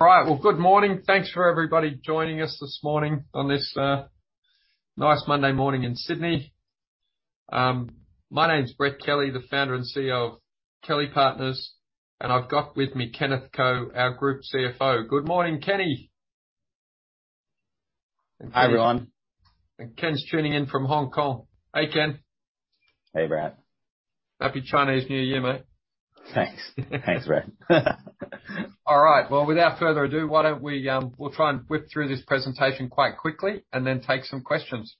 All right. Well, good morning. Thanks for everybody joining us this morning on this nice Monday morning in Sydney. My name's Brett Kelly, the Founder and CEO of Kelly Partners, and I've got with me Kenneth Ko, our Group CFO. Good morning, Kenny. Hi, everyone. Ken's tuning in from Hong Kong. Hey, Ken. Hey, Brett. Happy Chinese New Year, mate. Thanks. Thanks, Brett. All right. Well, without further ado, we'll try and whip through this presentation quite quickly and then take some questions.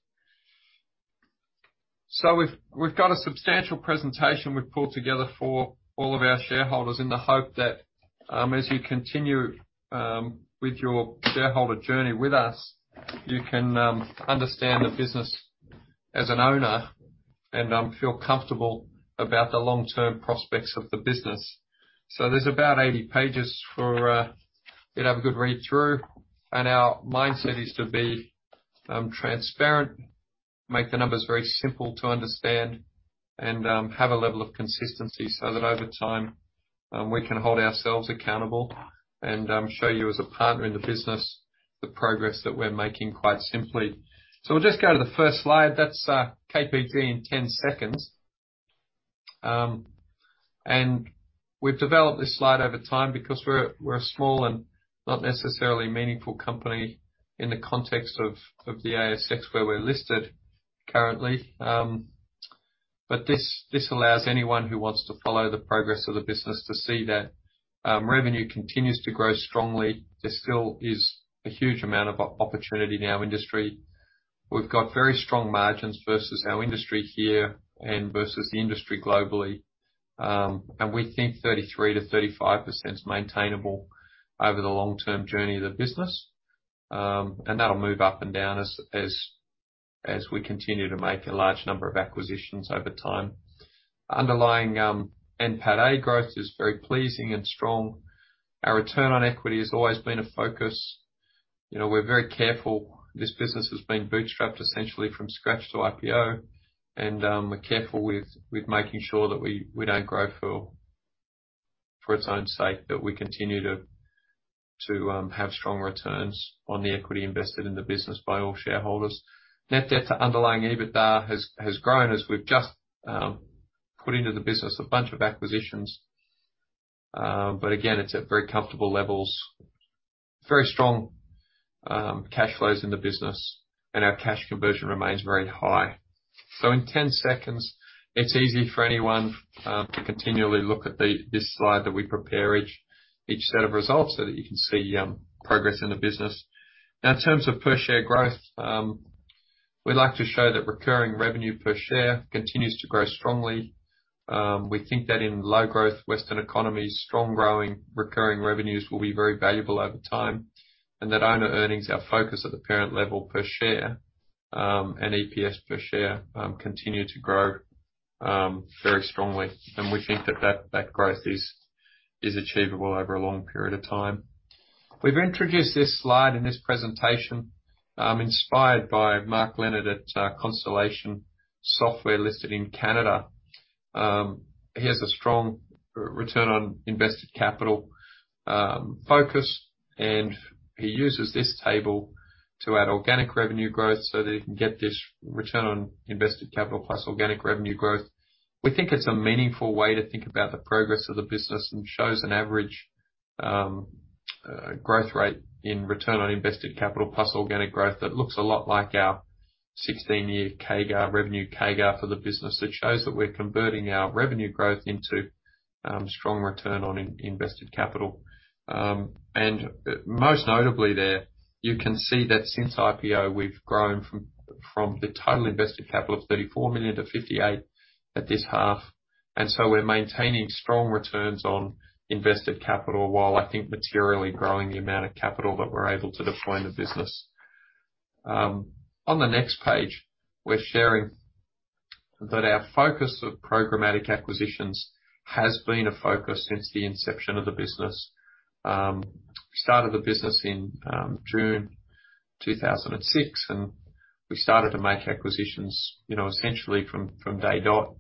We've got a substantial presentation we've pulled together for all of our shareholders in the hope that as you continue with your shareholder journey with us, you can understand the business as an owner and feel comfortable about the long-term prospects of the business. There's about 80 pages for you to have a good read through. Our mindset is to be transparent, make the numbers very simple to understand, and have a level of consistency so that over time we can hold ourselves accountable and show you as a partner in the business, the progress that we're making quite simply. We'll just go to the first slide. That's KPG in 10 seconds. We've developed this slide over time because we're a small and not necessarily meaningful company in the context of the ASX, where we're listed currently. This allows anyone who wants to follow the progress of the business to see that revenue continues to grow strongly. There still is a huge amount of opportunity in our industry. We've got very strong margins versus our industry here and versus the industry globally. We think 33%-35% is maintainable over the long-term journey of the business. That'll move up and down as we continue to make a large number of acquisitions over time. Underlying NPATA growth is very pleasing and strong. Our return on equity has always been a focus. You know, we're very careful. This business has been bootstrapped essentially from scratch to IPO, and we're careful with making sure that we don't grow for its own sake, that we continue to have strong returns on the equity invested in the business by all shareholders. Net debt to underlying EBITDA has grown as we've just put into the business a bunch of acquisitions. But again, it's at very comfortable levels. Very strong cash flows in the business, and our cash conversion remains very high. In 10 seconds, it's easy for anyone to continually look at this slide that we prepare each set of results so that you can see progress in the business. Now in terms of per share growth, we like to show that recurring revenue per share continues to grow strongly. We think that in low growth Western economies, strong growing recurring revenues will be very valuable over time, and that owner earnings, our focus at the parent level per share, and EPS per share continue to grow very strongly. We think that growth is achievable over a long period of time. We've introduced this slide in this presentation, inspired by Mark Leonard at Constellation Software listed in Canada. He has a strong return on invested capital focus, and he uses this table to add organic revenue growth so that he can get this return on invested capital plus organic revenue growth. We think it's a meaningful way to think about the progress of the business and shows an average growth rate in return on invested capital plus organic growth that looks a lot like our 16-year CAGR, revenue CAGR for the business. It shows that we're converting our revenue growth into strong return on invested capital. Most notably there, you can see that since IPO, we've grown from the total invested capital of 34 million to 58 million at this half. We're maintaining strong returns on invested capital, while I think materially growing the amount of capital that we're able to deploy in the business. On the next page, we're sharing that our focus of programmatic acquisitions has been a focus since the inception of the business. Started the business in June 2006, and we started to make acquisitions, you know, essentially from day dot.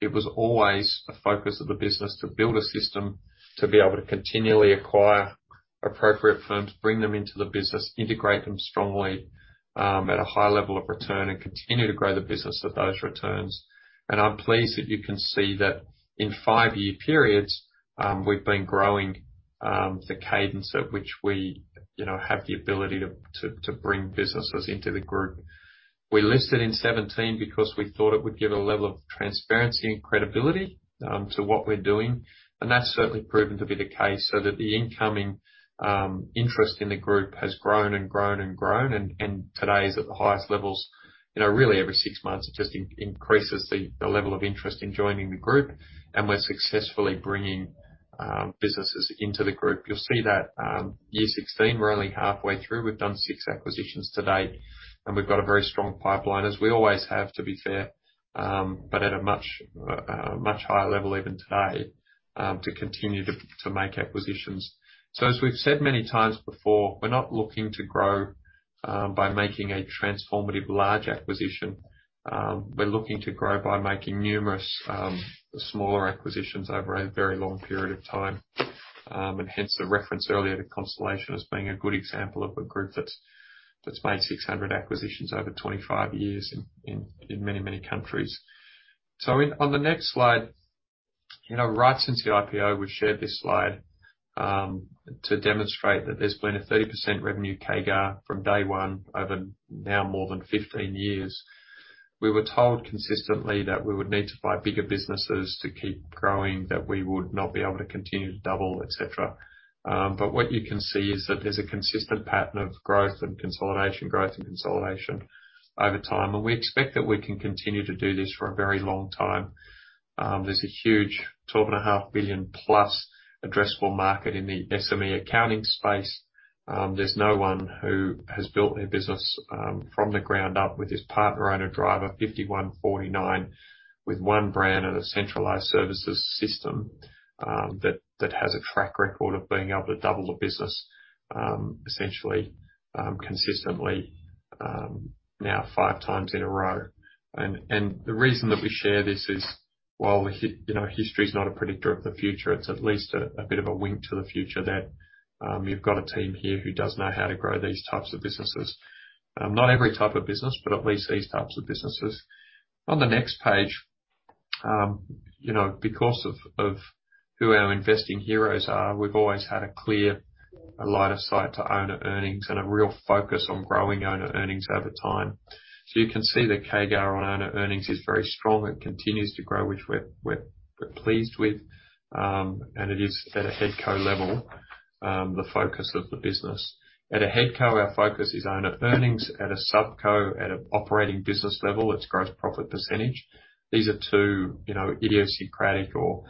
It was always a focus of the business to build a system to be able to continually acquire appropriate firms, bring them into the business, integrate them strongly at a high level of return, and continue to grow the business at those returns. I'm pleased that you can see that in five-year periods, we've been growing the cadence at which we, you know, have the ability to bring businesses into the group. We listed in 2017 because we thought it would give a level of transparency and credibility to what we're doing, and that's certainly proven to be the case, so that the incoming interest in the group has grown and today is at the highest levels. You know, really every six months, it just increases the level of interest in joining the group and we're successfully bringing businesses into the group. You'll see that, 2016, we're only halfway through. We've done six acquisitions to date, and we've got a very strong pipeline, as we always have, to be fair, at a much higher level even today to continue to make acquisitions. As we've said many times before, we're not looking to grow by making a transformative large acquisition. We're looking to grow by making numerous smaller acquisitions over a very long period of time. Hence the reference earlier to Constellation as being a good example of a group that's made 600 acquisitions over 25 years in many countries. On the next slide, you know, right since the IPO, we've shared this slide to demonstrate that there's been a 30% revenue CAGR from day one over now more than 15 years. We were told consistently that we would need to buy bigger businesses to keep growing, that we would not be able to continue to double, et cetera. What you can see is that there's a consistent pattern of growth and consolidation, growth and consolidation over time. We expect that we can continue to do this for a very long time. There's a huge 12.5 billion-plus addressable market in the SME accounting space. There's no one who has built their business from the ground up with this partner-owner driven, 51-49, with one brand and a centralized services system that has a track record of being able to double the business essentially consistently now five times in a row. The reason that we share this is while you know, history is not a predictor of the future, it's at least a bit of a wink to the future that you've got a team here who does know how to grow these types of businesses. Not every type of business, but at least these types of businesses. On the next page, you know, because of who our investing heroes are, we've always had a clear line of sight to owner earnings and a real focus on growing owner earnings over time. You can see the CAGR on owner earnings is very strong. It continues to grow, which we're pleased with. It is at a head co level, the focus of the business. At a head co, our focus is owner earnings. At a sub co, at an operating business level, it's gross profit percentage. These are two, you know, idiosyncratic or,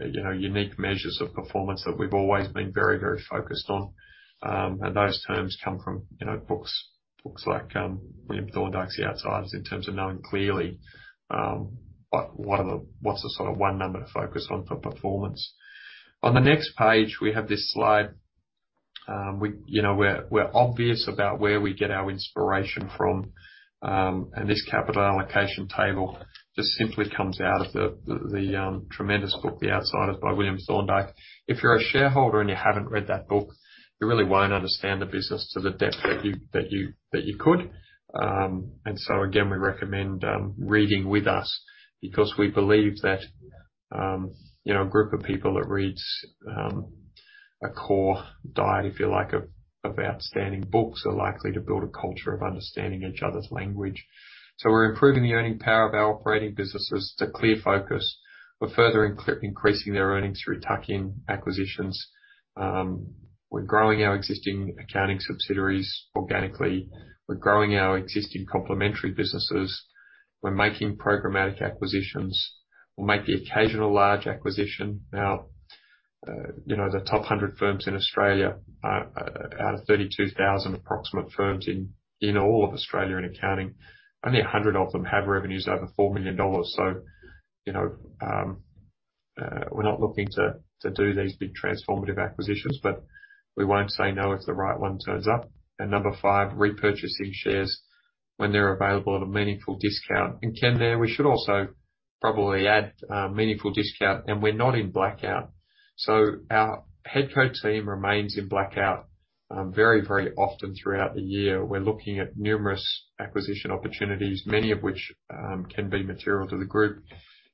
you know, unique measures of performance that we've always been very, very focused on. Those terms come from, you know, books like William Thorndike's The Outsiders, in terms of knowing clearly what's the sort of one number to focus on for performance. On the next page, we have this slide. You know, we're obvious about where we get our inspiration from. This capital allocation table just simply comes out of the tremendous book, The Outsiders by William Thorndike. If you're a shareholder and you haven't read that book, you really won't understand the business to the depth that you could. Again, we recommend reading with us because we believe that, you know, a group of people that reads a core diet, if you like, of outstanding books, are likely to build a culture of understanding each other's language. We're improving the earning power of our operating businesses. It's a clear focus. We're further increasing their earnings through tuck-in acquisitions. We're growing our existing accounting subsidiaries organically. We're growing our existing complementary businesses. We're making programmatic acquisitions. We'll make the occasional large acquisition. Now, you know, the top 100 firms in Australia out of 32,000 approximate firms in all of Australia in accounting, only 100 of them have revenues over 4 million dollars. You know, we're not looking to do these big transformative acquisitions, but we won't say no if the right one turns up. Number five, repurchasing shares when they're available at a meaningful discount. Ken there, we should also probably add a meaningful discount, and we're not in blackout. Our head co team remains in blackout very often throughout the year. We're looking at numerous acquisition opportunities, many of which can be material to the group.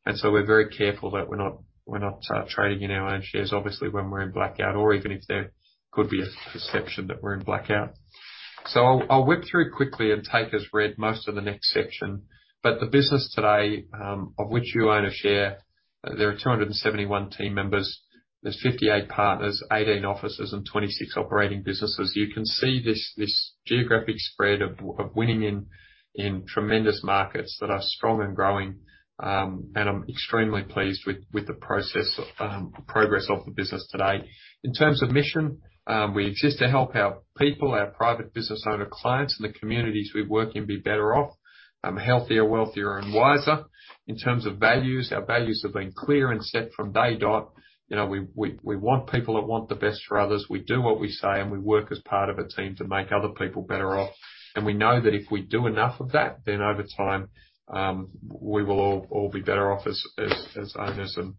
We're very careful that we're not trading in our own shares, obviously, when we're in blackout or even if there could be a perception that we're in blackout. I'll whip through quickly and take as read most of the next section. The business today, of which you own a share, there are 271 team members. There's 58 partners, 18 offices and 26 operating businesses. You can see this geographic spread of winning in tremendous markets that are strong and growing. I'm extremely pleased with the progress of the business today. In terms of mission, we exist to help our people, our private business owner clients, and the communities we work in be better off, healthier, wealthier and wiser. In terms of values, our values have been clear and set from day dot. You know, we want people that want the best for others. We do what we say, and we work as part of a team to make other people better off. We know that if we do enough of that, then over time, we will all be better off as owners and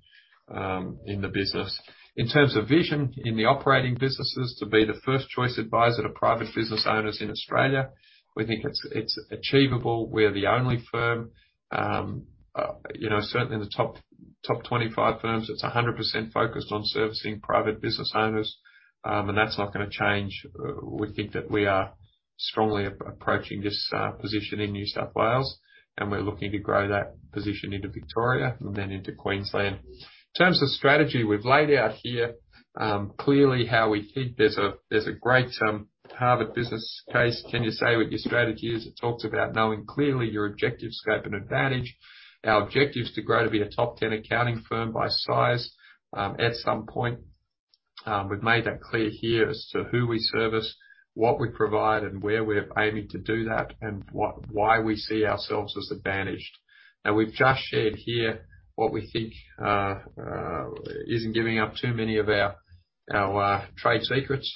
in the business. In terms of vision in the operating businesses, to be the first choice advisor to private business owners in Australia. We think it's achievable. We're the only firm certainly in the top 25 firms that's 100% focused on servicing private business owners. That's not going to change. We think that we are strongly approaching this position in New South Wales, and we're looking to grow that position into Victoria and then into Queensland. In terms of strategy, we've laid out here clearly how we think. There's a great Harvard Business case, can you say what your strategy is? It talks about knowing clearly your objectives, scope, and advantage. Our objective's to grow to be a top 10 accounting firm by size at some point. We've made that clear here as to who we service, what we provide, and where we're aiming to do that, and why we see ourselves as advantaged. Now, we've just shared here what we think isn't giving up too many of our trade secrets.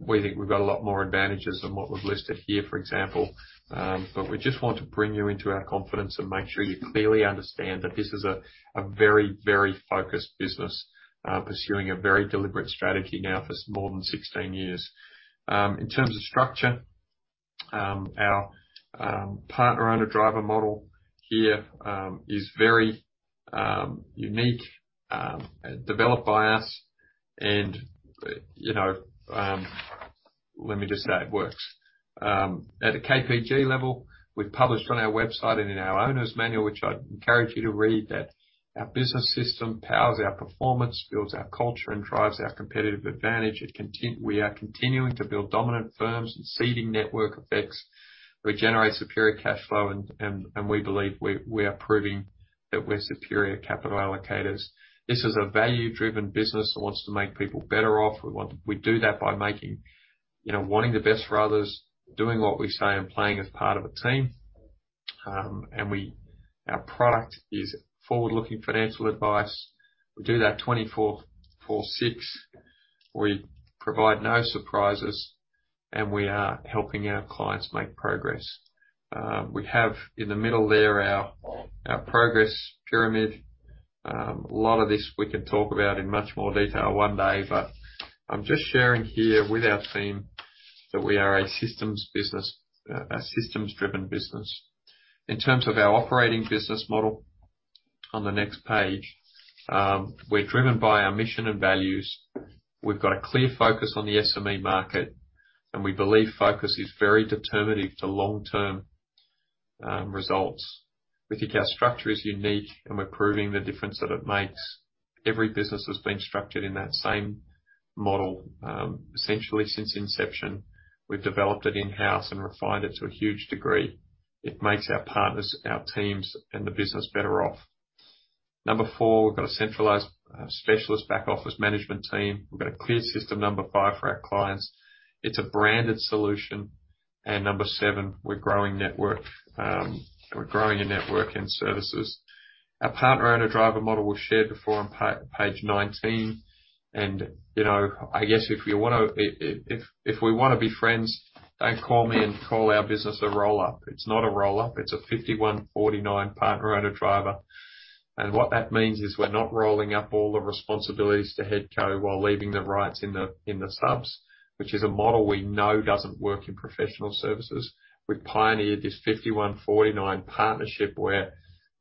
We think we've got a lot more advantages than what we've listed here, for example. But we just want to bring you into our confidence and make sure you clearly understand that this is a very, very focused business pursuing a very deliberate strategy now for more than 16 years. In terms of structure, our partner-owner driver model here is very unique, developed by us and, you know, let me just say it works. At a KPG level, we've published on our website and in our owner's manual, which I'd encourage you to read, that our business system powers our performance, builds our culture, and drives our competitive advantage. We are continuing to build dominant firms and seeding network effects. We generate superior cash flow and we believe we are proving that we're superior capital allocators. This is a value driven business that wants to make people better off. We do that by making, you know, wanting the best for others, doing what we say, and playing as part of a team. Our product is forward-looking financial advice. We do that 24/7. We provide no surprises, and we are helping our clients make progress. We have in the middle there our progress pyramid. A lot of this we can talk about in much more detail one day, but I'm just sharing here with our team that we are a systems business, a systems driven business. In terms of our operating business model, on the next page, we're driven by our mission and values. We've got a clear focus on the SME market, and we believe focus is very determinative to long-term results. We think our structure is unique and we're proving the difference that it makes. Every business has been structured in that same model, essentially since inception. We've developed it in-house and refined it to a huge degree. It makes our partners, our teams, and the business better off. Number four, we've got a centralized specialist back office management team. We've got a clear system, number five, for our clients. It's a branded solution. Number seven, we're growing network. We're growing a network and services. Our partner-owner driver model was shared before on page 19. You know, I guess if we want to be friends, don't call me and call our business a roll-up. It's not a roll-up. It's a 51-49 partner-owner driver. What that means is we're not rolling up all the responsibilities to head co while leaving the rights in the subs, which is a model we know doesn't work in professional services. We've pioneered this 51-49 partnership where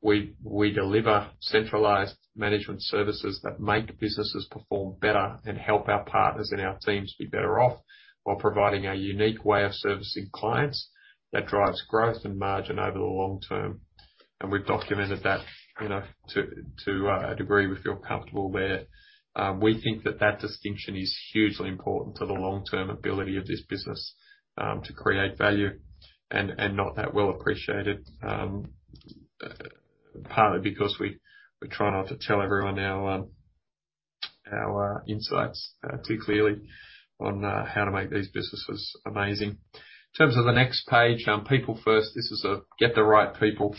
we deliver centralized management services that make businesses perform better and help our partners and our teams be better off, while providing a unique way of servicing clients that drives growth and margin over the long term. We've documented that, you know, to a degree we feel comfortable with. We think that distinction is hugely important to the long-term ability of this business to create value and not that well appreciated. Partly because we try not to tell everyone our insights too clearly on how to make these businesses amazing. In terms of the next page, people first, this is get the right people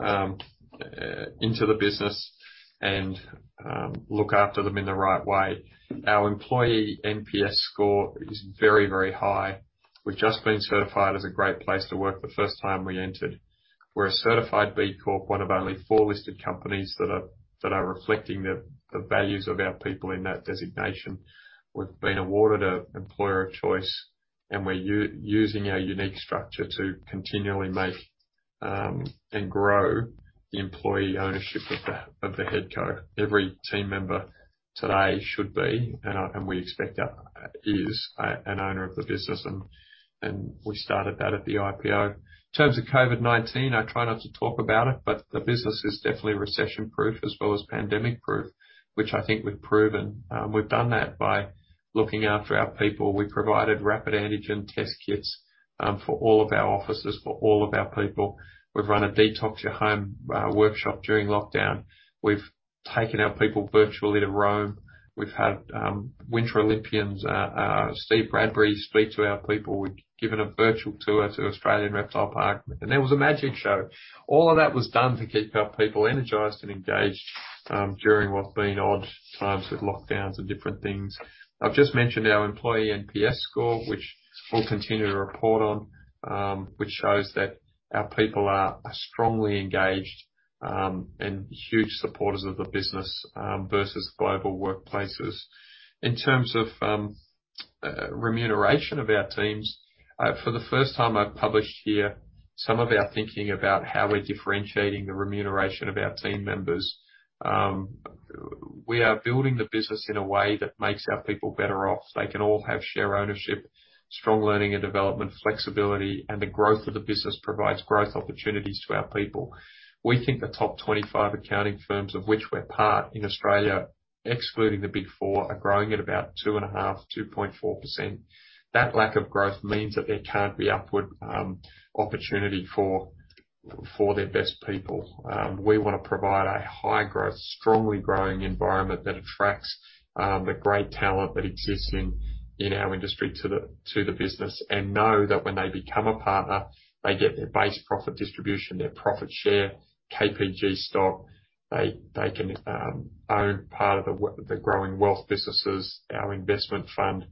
into the business and look after them in the right way. Our employee NPS score is very, very high. We've just been certified as a great place to work the first time we entered. We're a certified B Corp, one of only four listed companies that are reflecting the values of our people in that designation. We've been awarded an employer of choice, and we're using our unique structure to continually make and grow the employee ownership of the head co. Every team member today should be, and we expect, is an owner of the business, and we started that at the IPO. In terms of COVID-19, I try not to talk about it, but the business is definitely recession proof as well as pandemic proof, which I think we've proven. We've done that by looking after our people. We provided rapid antigen test kits for all of our offices, for all of our people. We've run a Detox Your Home workshop during lockdown. We've taken our people virtually to Rome. We've had Winter Olympians Steve Bradbury speak to our people. We've given a virtual tour to Australian Reptile Park, and there was a magic show. All of that was done to keep our people energized and engaged during what's been odd times with lockdowns and different things. I've just mentioned our employee NPS score, which we'll continue to report on, which shows that our people are strongly engaged and huge supporters of the business versus global workplaces. In terms of remuneration of our teams for the first time, I've published here some of our thinking about how we're differentiating the remuneration of our team members. We are building the business in a way that makes our people better off. They can all have share ownership, strong learning and development, flexibility, and the growth of the business provides growth opportunities to our people. We think the top 25 accounting firms of which we're part in Australia, excluding the Big Four, are growing at about 2.5%, 2.4%. That lack of growth means that there can't be upward opportunity for their best people. We want to provide a high growth, strongly growing environment that attracts the great talent that exists in our industry to the business and know that when they become a partner, they get their base profit distribution, their profit share, KPG stock. They can own part of the growing wealth businesses, our investment fund,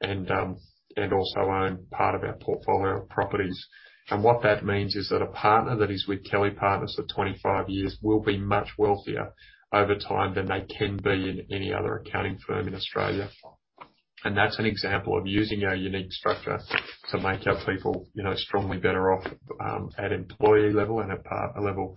and also own part of our portfolio of properties. What that means is that a partner that is with Kelly Partners for 25 years will be much wealthier over time than they can be in any other accounting firm in Australia. That's an example of using our unique structure to make our people, you know, strongly better off at employee level and at partner level.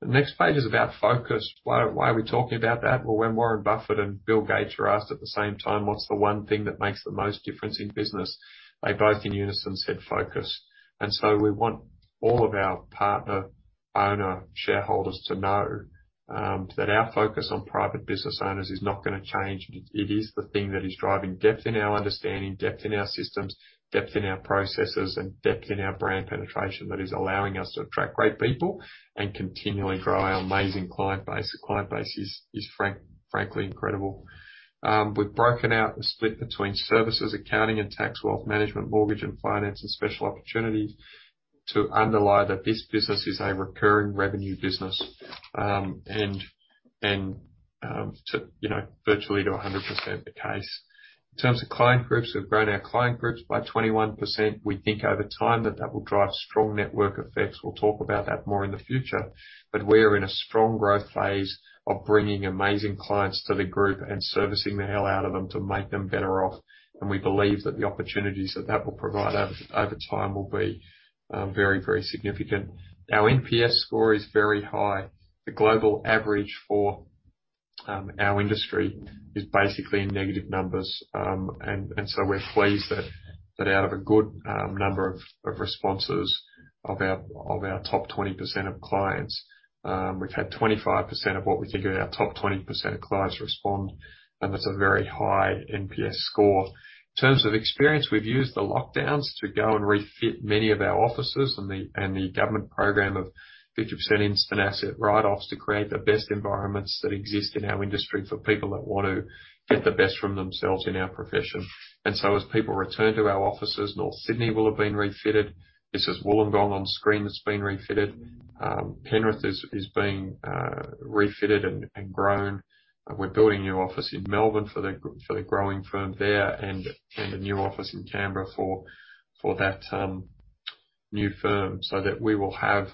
The next page is about focus. Why are we talking about that? Well, when Warren Buffett and Bill Gates are asked at the same time, what's the one thing that makes the most difference in business? They both in unison said, focus. We want all of our partner owner shareholders to know that our focus on private business owners is not going to change. It is the thing that is driving depth in our understanding, depth in our systems, depth in our processes, and depth in our brand penetration that is allowing us to attract great people and continually grow our amazing client base. The client base is frankly incredible. We've broken out the split between services, accounting and tax, wealth management, mortgage and finance, and special opportunities to underlie that this business is a recurring revenue business. And, you know, virtually to 100% the case. In terms of client groups, we've grown our client groups by 21%. We think over time that will drive strong network effects. We'll talk about that more in the future. We're in a strong growth phase of bringing amazing clients to the group and servicing the hell out of them to make them better off. We believe that the opportunities that will provide us over time will be very, very significant. Our NPS score is very high. The global average for our industry is basically in negative numbers. So we're pleased that out of a good number of responses of our top 20% of clients, we've had 25% of what we think are our top 20% of clients respond, and that's a very high NPS score. In terms of experience, we've used the lockdowns to go and refit many of our offices and the government program of 50% instant asset write-offs to create the best environments that exist in our industry for people that want to get the best from themselves in our profession. As people return to our offices, North Sydney will have been refitted. This is Wollongong on screen that's been refitted. Penrith is being refitted and grown. We're building a new office in Melbourne for the growing firm there, and a new office in Canberra for that new firm so that we will have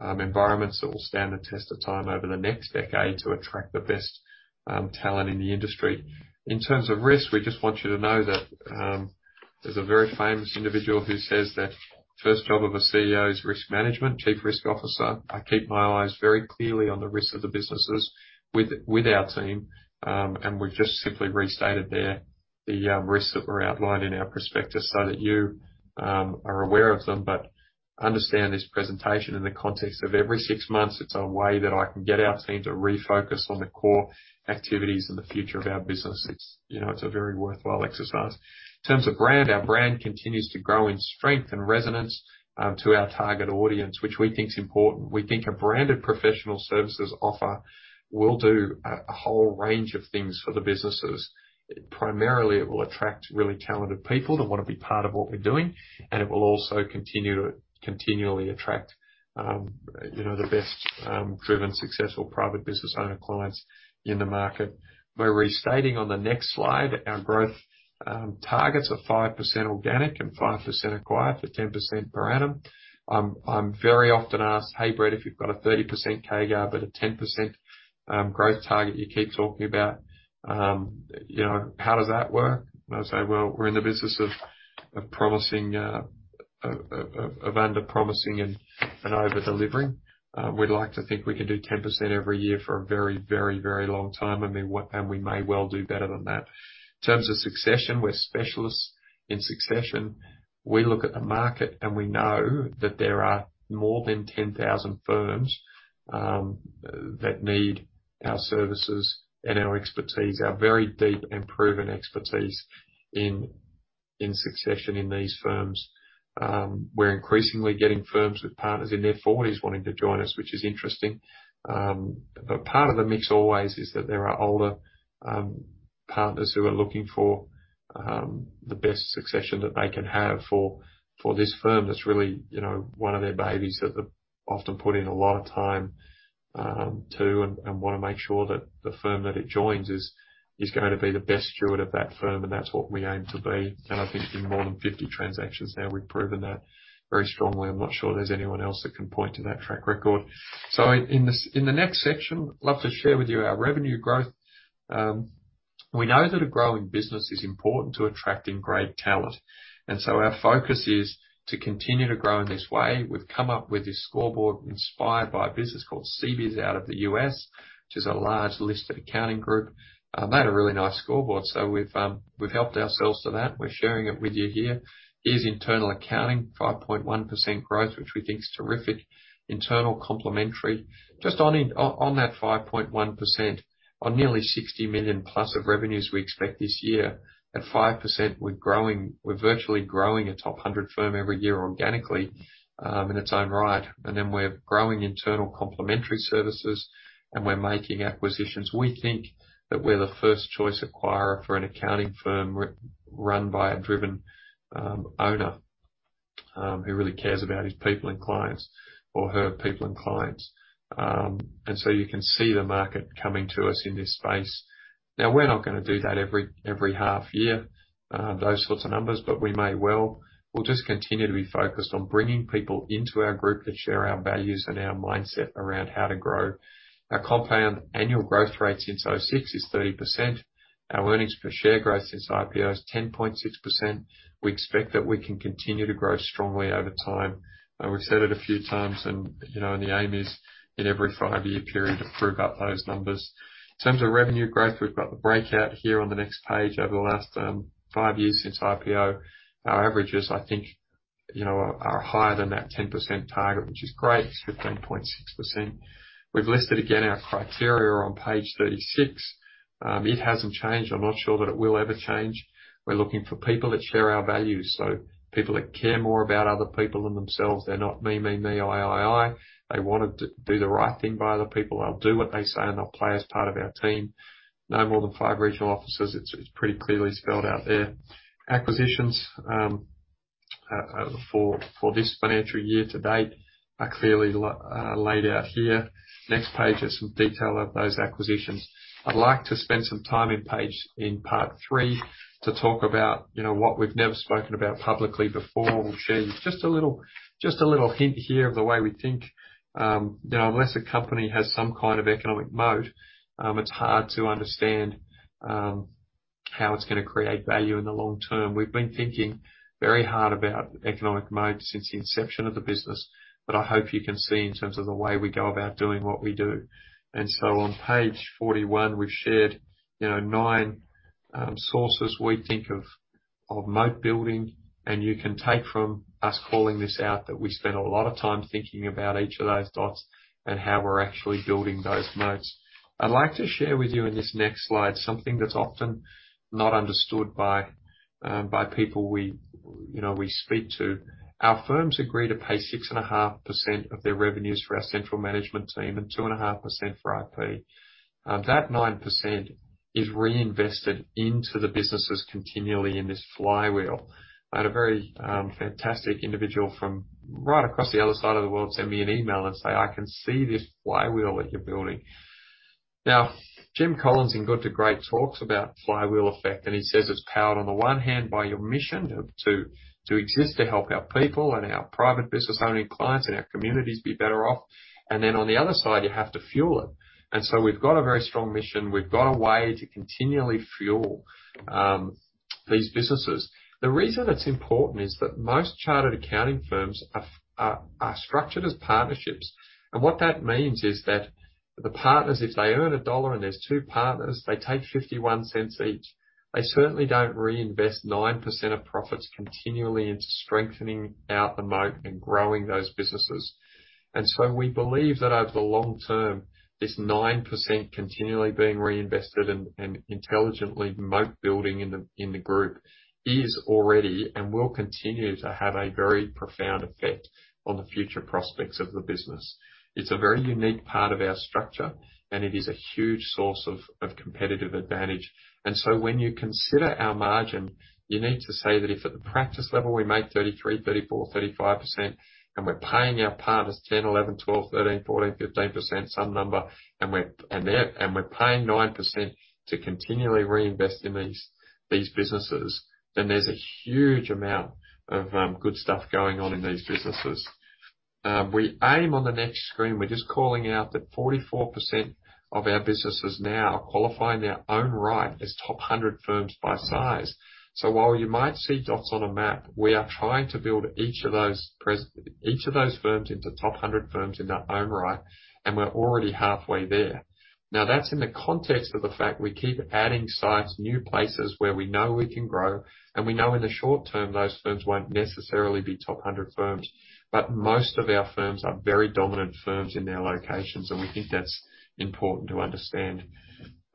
environments that will stand the test of time over the next decade to attract the best talent in the industry. In terms of risk, we just want you to know that there's a very famous individual who says that first job of a CEO is risk management, chief risk officer. I keep my eyes very clearly on the risk of the businesses with our team, and we've just simply restated there the risks that were outlined in our prospectus so that you are aware of them. Understand this presentation in the context of every six months, it's a way that I can get our team to refocus on the core activities and the future of our business. It's, you know, it's a very worthwhile exercise. In terms of brand, our brand continues to grow in strength and resonance to our target audience, which we think is important. We think a branded professional services offer will do a whole range of things for the businesses. Primarily, it will attract really talented people that want to be part of what we're doing, and it will also continue to continually attract, you know, the best driven, successful private business owner clients in the market. We're restating on the next slide our growth targets of 5% organic and 5% acquired for 10% per annum. I'm very often asked, hey, Brett, if you've got a 30% CAGR but a 10% growth target you keep talking about, you know, how does that work? I say, well, we're in the business of under promising and over delivering. We'd like to think we can do 10% every year for a very long time, and we may well do better than that. In terms of succession, we're specialists in succession. We look at the market and we know that there are more than 10,000 firms that need our services and our expertise, our very deep and proven expertise in succession in these firms. We're increasingly getting firms with partners in their forties wanting to join us, which is interesting. Part of the mix always is that there are older partners who are looking for the best succession that they can have for this firm that's really, you know, one of their babies that they've often put in a lot of time to and want to make sure that the firm that it joins is going to be the best steward of that firm, and that's what we aim to be. I think in more than 50 transactions now, we've proven that very strongly. I'm not sure there's anyone else that can point to that track record. In the next section, I'd love to share with you our revenue growth. We know that a growing business is important to attracting great talent, and so our focus is to continue to grow in this way. We've come up with this scoreboard inspired by a business called CBIZ out of the U.S., which is a large listed accounting group. They had a really nice scoreboard, so we've helped ourselves to that. We're sharing it with you here. Here's internal accounting, 5.1% growth, which we think is terrific. Internal complementary. Just on that 5.1%, on nearly 60 million plus of revenues we expect this year, at 5%, we're growing, we're virtually growing a top 100 firm every year organically, in its own right. Then we're growing internal complementary services, and we're making acquisitions. We think that we're the first choice acquirer for an accounting firm run by a driven owner, who really cares about his people and clients, or her people and clients. You can see the market coming to us in this space. Now, we're not going to do that every half year, those sorts of numbers, but we may well. We'll just continue to be focused on bringing people into our group that share our values and our mindset around how to grow. Our compound annual growth rate since 2006 is 30%. Our earnings per share growth since IPO is 10.6%. We expect that we can continue to grow strongly over time. We've said it a few times, you know, the aim is in every five-year period to prove out those numbers. In terms of revenue growth, we've got the breakout here on the next page. Over the last five years since IPO, our averages, I think, you know, are higher than that 10% target, which is great, it's 15.6%. We've listed again our criteria on page 36. It hasn't changed. I'm not sure that it will ever change. We're looking for people that share our values. People that care more about other people than themselves. They're not me, me, I, I. They want to do the right thing by other people. They'll do what they say, and they'll play as part of our team. No more than five regional offices. It's pretty clearly spelled out there. Acquisitions for this financial year to date are clearly laid out here. Next page has some detail of those acquisitions. I'd like to spend some time in page... In part three to talk about, you know, what we've never spoken about publicly before. We'll show you just a little hint here of the way we think. You know, unless a company has some kind of economic moat, it's hard to understand how it's going to create value in the long term. We've been thinking very hard about economic moat since the inception of the business, but I hope you can see in terms of the way we go about doing what we do. On page 41, we've shared, you know, nine sources we think of moat building, and you can take from us calling this out that we spend a lot of time thinking about each of those dots and how we're actually building those moats. I'd like to share with you in this next slide, something that's often not understood by people we speak to. Our firms agree to pay 6.5% of their revenues for our central management team and 2.5% for IP. That 9% is reinvested into the businesses continually in this flywheel. I had a very fantastic individual from right across the other side of the world send me an email and say, I can see this flywheel that you're building. Now, Jim Collins, in Good to Great, talks about flywheel effect, and he says it's powered on the one hand by your mission to exist to help our people and our private business owning clients and our communities be better off. On the other side, you have to fuel it. We've got a very strong mission. We've got a way to continually fuel these businesses. The reason it's important is that most chartered accounting firms are structured as partnerships. What that means is that the partners, if they earn a dollar and there's two partners, they take 51 cents each. They certainly don't reinvest 9% of profits continually into strengthening out the moat and growing those businesses. We believe that over the long term, this 9% continually being reinvested and intelligently moat building in the group is already and will continue to have a very profound effect on the future prospects of the business. It's a very unique part of our structure, and it is a huge source of competitive advantage. When you consider our margin, you need to say that if at the practice level we make 33%-35%, and we're paying our partners 10%-15%, some number, and we're paying 9% to continually reinvest in these businesses, then there's a huge amount of good stuff going on in these businesses. We aim on the next screen, we're just calling out that 44% of our businesses now qualify in their own right as top 100 firms by size. While you might see dots on a map, we are trying to build each of those firms into top 100 firms in their own right, and we're already halfway there. Now, that's in the context of the fact we keep adding sites, new places where we know we can grow, and we know in the short term, those firms won't necessarily be top 100 firms. Most of our firms are very dominant firms in their locations, and we think that's important to understand.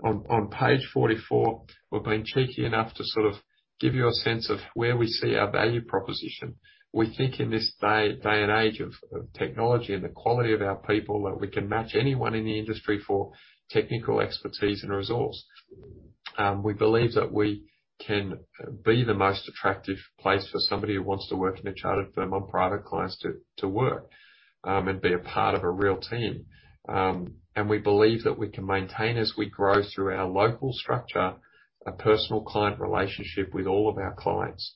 On page 44, we've been cheeky enough to sort of give you a sense of where we see our value proposition. We think in this day and age of technology and the quality of our people, that we can match anyone in the industry for technical expertise and resource. We believe that we can be the most attractive place for somebody who wants to work in a chartered firm on private clients to work and be a part of a real team. We believe that we can maintain, as we grow through our local structure, a personal client relationship with all of our clients.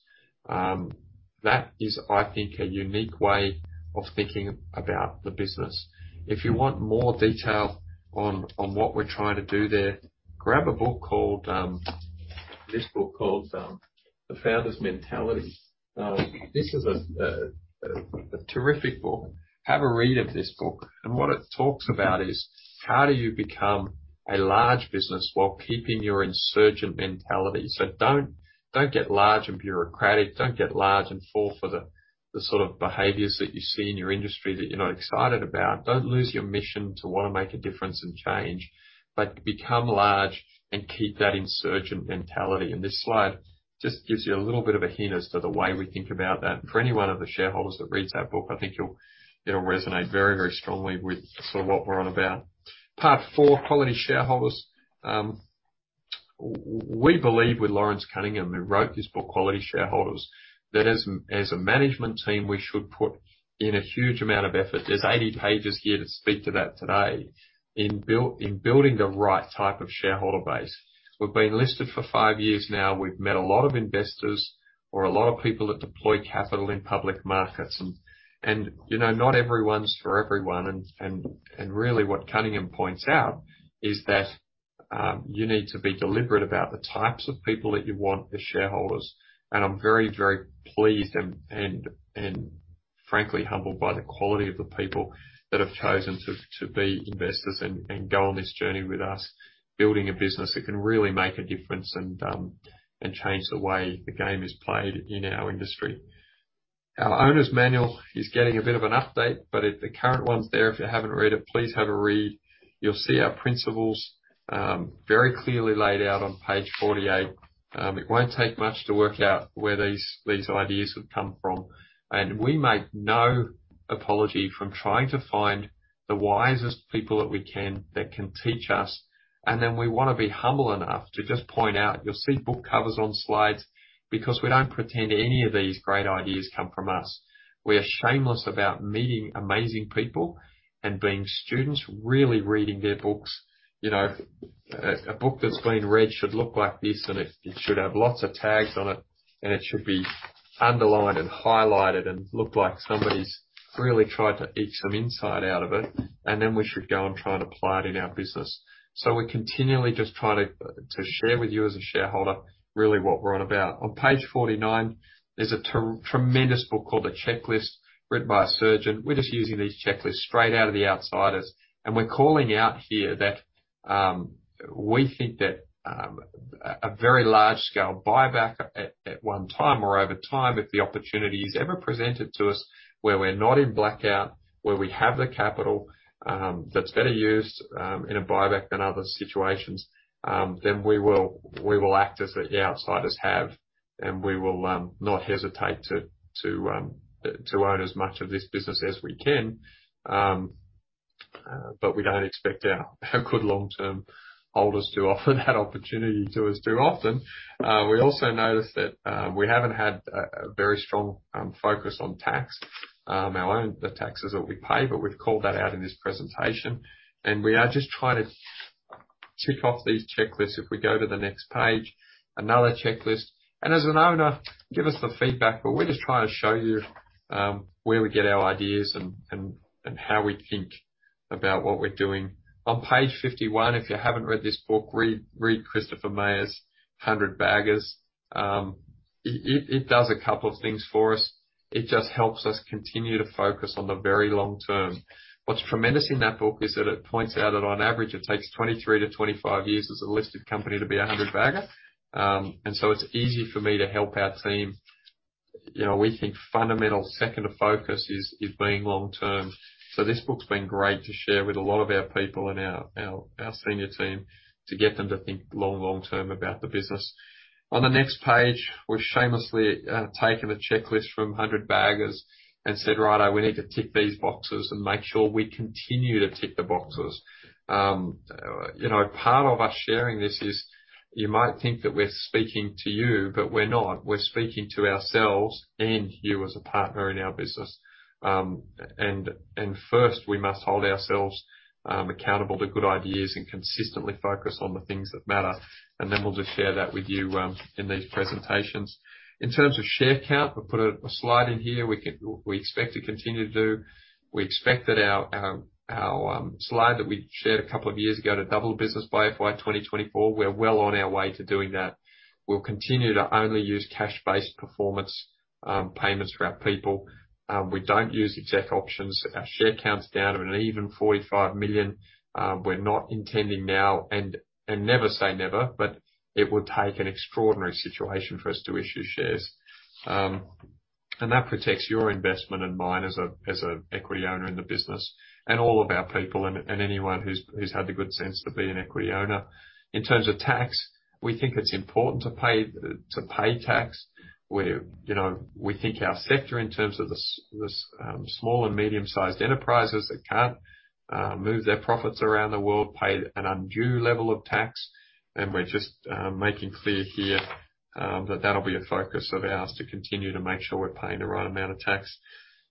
That is, I think, a unique way of thinking about the business. If you want more detail on what we're trying to do there, grab a book called The Founder's Mentality. This is a terrific book. Have a read of this book. What it talks about is how do you become a large business while keeping your insurgent mentality. Don't get large and bureaucratic, don't get large and fall for the sort of behaviors that you see in your industry that you're not excited about. Don't lose your mission to want to make a difference and change, but become large and keep that insurgent mentality. This slide just gives you a little bit of a hint as to the way we think about that. For any one of the shareholders that reads that book, I think it'll resonate very, very strongly with sort of what we're on about. Part four, Quality Shareholders. We believe with Lawrence Cunningham, who wrote this book, Quality Shareholders, that as a management team, we should put in a huge amount of effort. There's 80 pages here to speak to that today in building the right type of shareholder base. We've been listed for five years now. We've met a lot of investors or a lot of people that deploy capital in public markets and, you know, not everyone's for everyone. Really what Cunningham points out is that you need to be deliberate about the types of people that you want as shareholders. I'm very, very pleased and frankly humbled by the quality of the people that have chosen to be investors and go on this journey with us, building a business that can really make a difference and change the way the game is played in our industry. Our owner's manual is getting a bit of an update, but it's the current one is there. If you haven't read it, please have a read. You'll see our principles very clearly laid out on page 48. It won't take much to work out where these ideas have come from, and we make no apology for trying to find the wisest people that we can that can teach us. We want to be humble enough to just point out, you'll see book covers on slides because we don't pretend any of these great ideas come from us. We are shameless about meeting amazing people and being students, really reading their books. You know, a book that's been read should look like this, and it should have lots of tags on it, and it should be underlined and highlighted and look like somebody's really tried to eke some insight out of it. We should go and try and apply it in our business. We're continually just trying to share with you as a shareholder really what we're on about. On page 49, there's a tremendous book called The Checklist written by a surgeon. We're just using these checklists straight out of The Outsiders, and we're calling out here that we think that a very large scale buyback at one time or over time, if the opportunity is ever presented to us where we're not in blackout, where we have the capital that's better used in a buyback than other situations, then we will act as the outsiders have. We will not hesitate to own as much of this business as we can. But we don't expect our good long-term holders to offer that opportunity to us too often. We also noticed that we haven't had a very strong focus on tax. Our own, the taxes that we pay, but we've called that out in this presentation, and we are just trying to tick off these checklists. If we go to the next page, another checklist. As an owner, give us the feedback, but we're just trying to show you where we get our ideas and how we think about what we're doing. On page 51, if you haven't read this book, read Christopher Mayer's 100 Baggers. It does a couple of things for us. It just helps us continue to focus on the very long term. What's tremendous in that book is that it points out that on average it takes 23-25 years as a listed company to be a 100 bagger. It's easy for me to help our team. You know, we think fundamental second of focus is being long-term. This book's been great to share with a lot of our people and our senior team to get them to think long-term about the business. On the next page, we've shamelessly taken a checklist from 100 Baggers and said, Righto, we need to tick these boxes and make sure we continue to tick the boxes. You know, part of us sharing this is you might think that we're speaking to you, but we're not. We're speaking to ourselves and you as a partner in our business. First, we must hold ourselves accountable to good ideas and consistently focus on the things that matter. We'll just share that with you in these presentations. In terms of share count, we'll put a slide in here. We expect to continue to do. We expect that our slide that we shared a couple of years ago to double business by FY 2024, we're well on our way to doing that. We'll continue to only use cash-based performance payments for our people. We don't use exec options. Our share count's down to an even 45 million. We're not intending now, and never say never, but it would take an extraordinary situation for us to issue shares. And that protects your investment and mine as an equity owner in the business and all of our people and anyone who's had the good sense to be an equity owner. In terms of tax, we think it's important to pay tax. We think our sector in terms of the small and medium sized enterprises that can't move their profits around the world pay an undue level of tax. We're just making clear here that that'll be a focus of ours to continue to make sure we're paying the right amount of tax.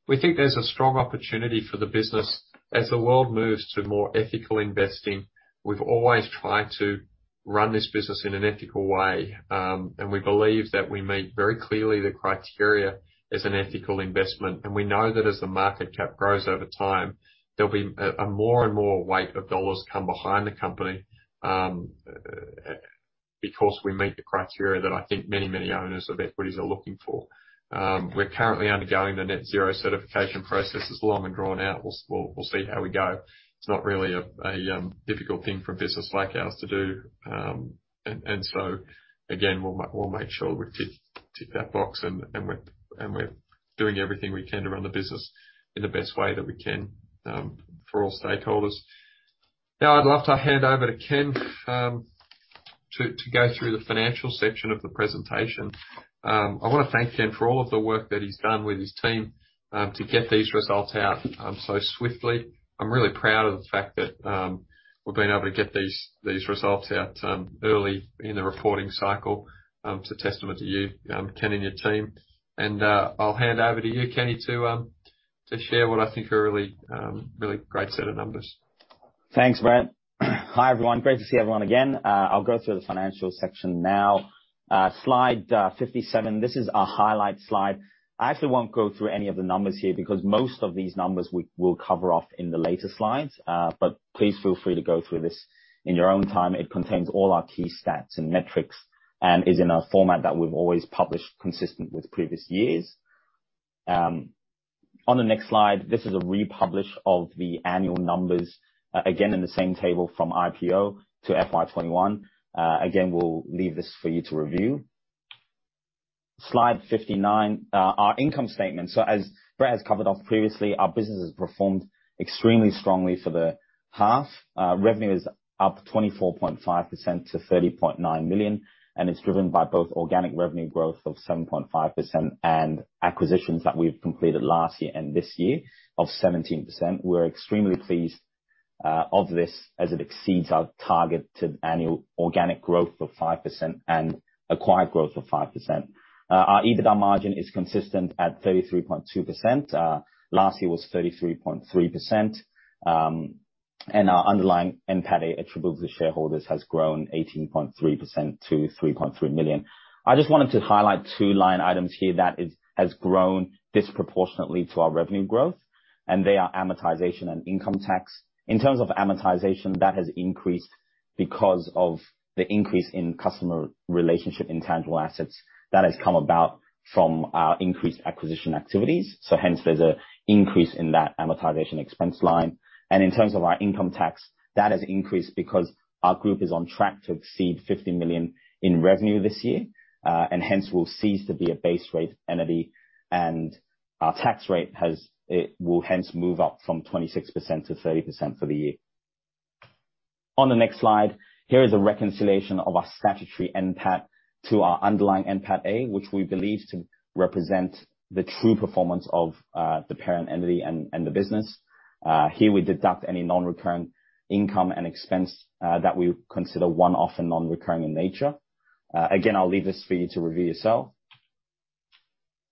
We think there's a strong opportunity for the business as the world moves to more ethical investing. We've always tried to run this business in an ethical way, and we believe that we meet very clearly the criteria as an ethical investment. We know that as the market cap grows over time, there'll be a more and more weight of dollars come behind the company because we meet the criteria that I think many, many owners of equities are looking for. We're currently undergoing the net zero certification process. It's long and drawn out. We'll see how we go. It's not really a difficult thing for a business like ours to do. We'll make sure we tick that box, and we're doing everything we can to run the business in the best way that we can, for all stakeholders. Now, I'd love to hand over to Ken to go through the financial section of the presentation. I want to thank Ken for all of the work that he's done with his team to get these results out so swiftly. I'm really proud of the fact that we've been able to get these results out early in the reporting cycle. It's a testament to you, Ken, and your team. I'll hand over to you, Kenny, to share what I think are a really great set of numbers. Thanks, Brett. Hi, everyone. Great to see everyone again. I'll go through the financial section now. Slide 57. This is our highlight slide. I actually won't go through any of the numbers here because most of these numbers we will cover off in the later slides, but please feel free to go through this in your own time. It contains all our key stats and metrics and is in a format that we've always published consistent with previous years. On the next slide, this is a republish of the annual numbers, again, in the same table from IPO to FY 2021. Again, we'll leave this for you to review. Slide 59, our income statement. As Brett has covered off previously, our business has performed extremely strongly for the half. Revenue is up 24.5% to 30.9 million, and it's driven by both organic revenue growth of 7.5% and acquisitions that we've completed last year and this year of 17%. We're extremely pleased of this as it exceeds our targeted annual organic growth of 5% and acquired growth of 5%. Our EBITDA margin is consistent at 33.2%. Last year was 33.3%. Our underlying NPATAttributable to shareholders has grown 18.3% to 3.3 million. I just wanted to highlight two line items here that is, has grown disproportionately to our revenue growth, and they are amortization and income tax. In terms of amortization, that has increased because of the increase in customer relationship intangible assets that has come about from our increased acquisition activities. Hence there's an increase in that amortization expense line. In terms of our income tax, that has increased because our group is on track to exceed 50 million in revenue this year, and hence will cease to be a base rate entity, and our tax rate has increased. It will hence move up from 26% to 30% for the year. On the next slide, here is a reconciliation of our statutory NPAT to our underlying NPATA, which we believe to represent the true performance of the parent entity and the business. Here we deduct any non-recurring income and expense that we would consider one-off and non-recurring in nature. Again, I'll leave this for you to review yourself.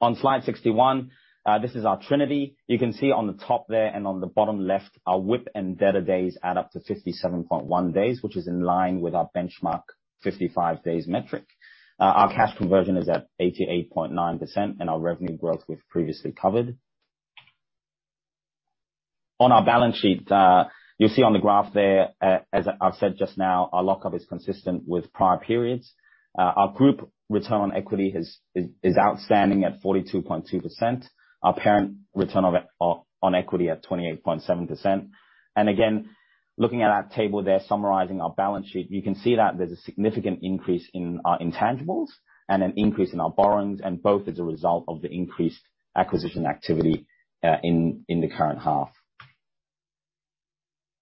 On slide 61, this is our trinity. You can see on the top there and on the bottom left, our WIP and debtor days add up to 57.1 days, which is in line with our benchmark 55 days metric. Our cash conversion is at 88.9%, and our revenue growth we've previously covered. On our balance sheet, you'll see on the graph there, as I've said just now, our lockup is consistent with prior periods. Our group return on equity is outstanding at 42.2%. Our parent return on equity at 28.7%. Again, looking at our table there summarizing our balance sheet, you can see that there's a significant increase in our intangibles and an increase in our borrowings and both as a result of the increased acquisition activity in the current half.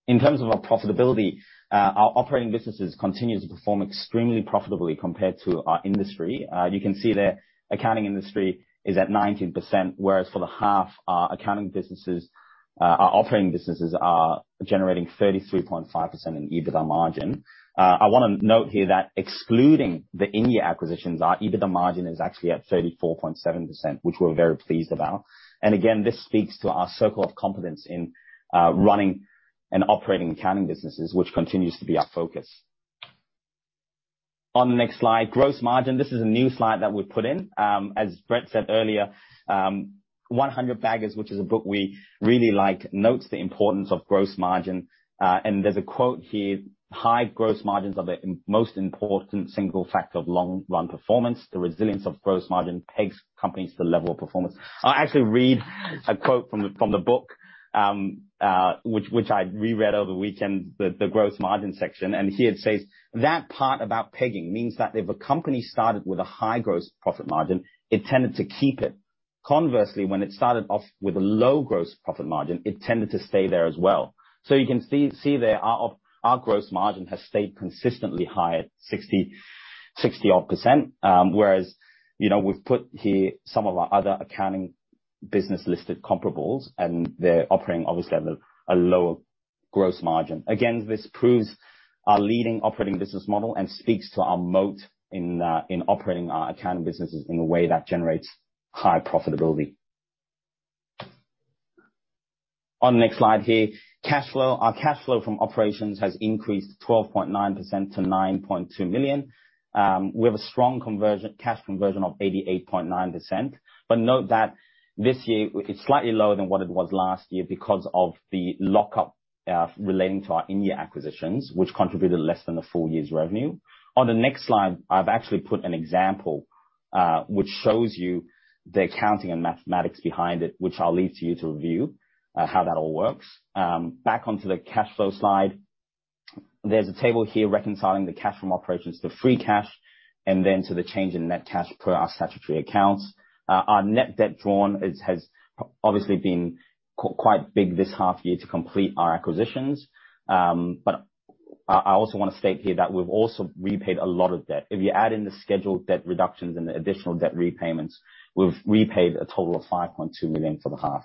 In terms of our profitability, our operating businesses continues to perform extremely profitably compared to our industry. You can see the accounting industry is at 19%, whereas for the half, our accounting businesses, our operating businesses are generating 33.5% in EBITDA margin. I want to note here that excluding the India acquisitions, our EBITDA margin is actually at 34.7%, which we're very pleased about. Again, this speaks to our circle of competence in, running and operating accounting businesses, which continues to be our focus. On the next slide, gross margin. This is a new slide that we've put in. As Brett said earlier, 100 Baggers, which is a book we really like, notes the importance of gross margin. There's a quote here, high gross margins are the most important single factor of long run performance. The resilience of gross margin pegs companies to the level of performance. I'll actually read a quote from the book, which I reread over the weekend, the gross margin section. Here it says, that part about pegging means that if a company started with a high gross profit margin, it tended to keep it. Conversely, when it started off with a low gross profit margin, it tended to stay there as well. You can see there our gross margin has stayed consistently high at 60-odd%. Whereas, you know, we've put here some of our other accounting business listed comparables, and they're operating obviously at a lower gross margin. Again, this proves our leading operating business model and speaks to our moat in operating our accounting businesses in a way that generates high profitability. On the next slide here, cash flow. Our cash flow from operations has increased 12.9% to 9.2 million. We have a strong conversion, cash conversion of 88.9%. But note that this year it's slightly lower than what it was last year because of the lockup, relating to our India acquisitions, which contributed less than the full year's revenue. On the next slide, I've actually put an example, which shows you the accounting and mathematics behind it, which I'll leave to you to review, how that all works. Back onto the cash flow slide. There's a table here reconciling the cash from operations to free cash and then to the change in net cash per our statutory accounts. Our net debt drawn has obviously been quite big this half year to complete our acquisitions. I also want to state here that we've also repaid a lot of debt. If you add in the scheduled debt reductions and the additional debt repayments, we've repaid a total of 5.2 million for the half.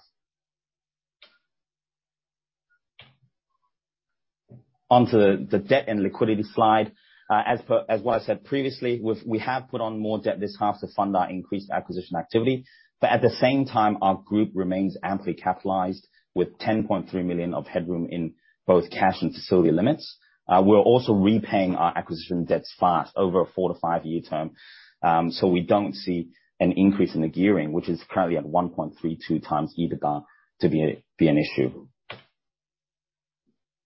Onto the debt and liquidity slide. As per what I said previously, we have put on more debt this half to fund our increased acquisition activity. At the same time, our group remains amply capitalized with 10.3 million of headroom in both cash and facility limits. We're also repaying our acquisition debts fast, over a four-five-year term. We don't see an increase in the gearing, which is currently at 1.32x EBITDA to be an issue.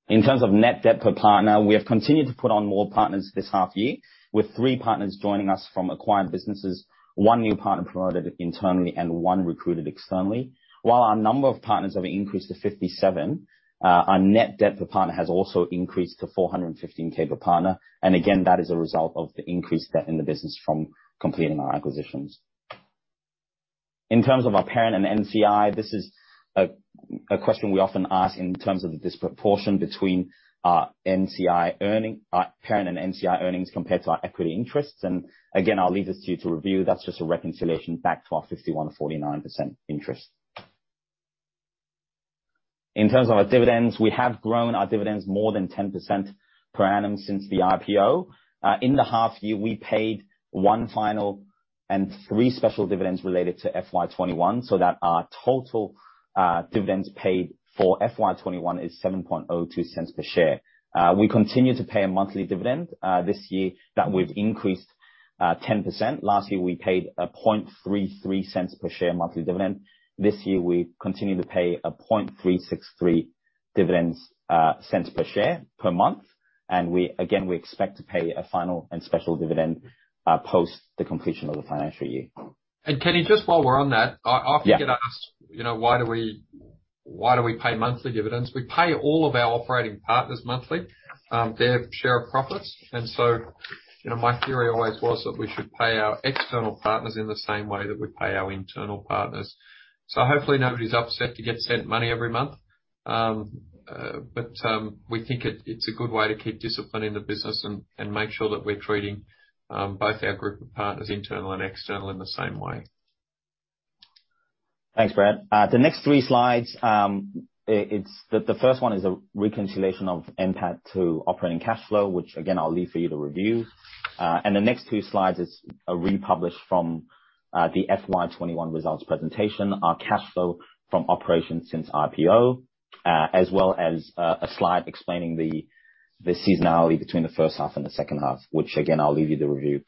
In terms of net debt per partner, we have continued to put on more partners this half year, with three partners joining us from acquired businesses, one new partner promoted internally and one recruited externally. While our number of partners have increased to 57, our net debt per partner has also increased to 415K per partner. Again, that is a result of the increased debt in the business from completing our acquisitions. In terms of our parent and NCI, this is a question we often ask in terms of the disproportion between our NCI earning, parent and NCI earnings compared to our equity interests. Again, I'll leave this to you to review. That's just a reconciliation back to our 51-49% interest. In terms of our dividends, we have grown our dividends more than 10% per annum since the IPO. In the half year, we paid one final and three special dividends related to FY 2021, so that our total dividends paid for FY 2021 is 0.0702 per share. We continue to pay a monthly dividend this year that we've increased 10%. Last year, we paid 0.0033 per share monthly dividend. This year, we continue to pay 0.00363 cents per share per month. We again expect to pay a final and special dividend post the completion of the financial year. Kenny, just while we're on that. Yeah. We get asked, you know, why do we pay monthly dividends? We pay all of our operating partners monthly, their share of profits. You know, my theory always was that we should pay our external partners in the same way that we pay our internal partners. Hopefully nobody's upset to get sent money every month. We think it's a good way to keep discipline in the business and make sure that we're treating both our group of partners, internal and external, in the same way. Thanks, Brett. The next three slides, it's the first one is a reconciliation of NPAT to operating cash flow, which again, I'll leave for you to review. The next two slides is a republish from the FY 2021 results presentation. Our cash flow from operations since IPO, as well as a slide explaining the seasonality between the first half and the second half, which again, I'll leave for you to review.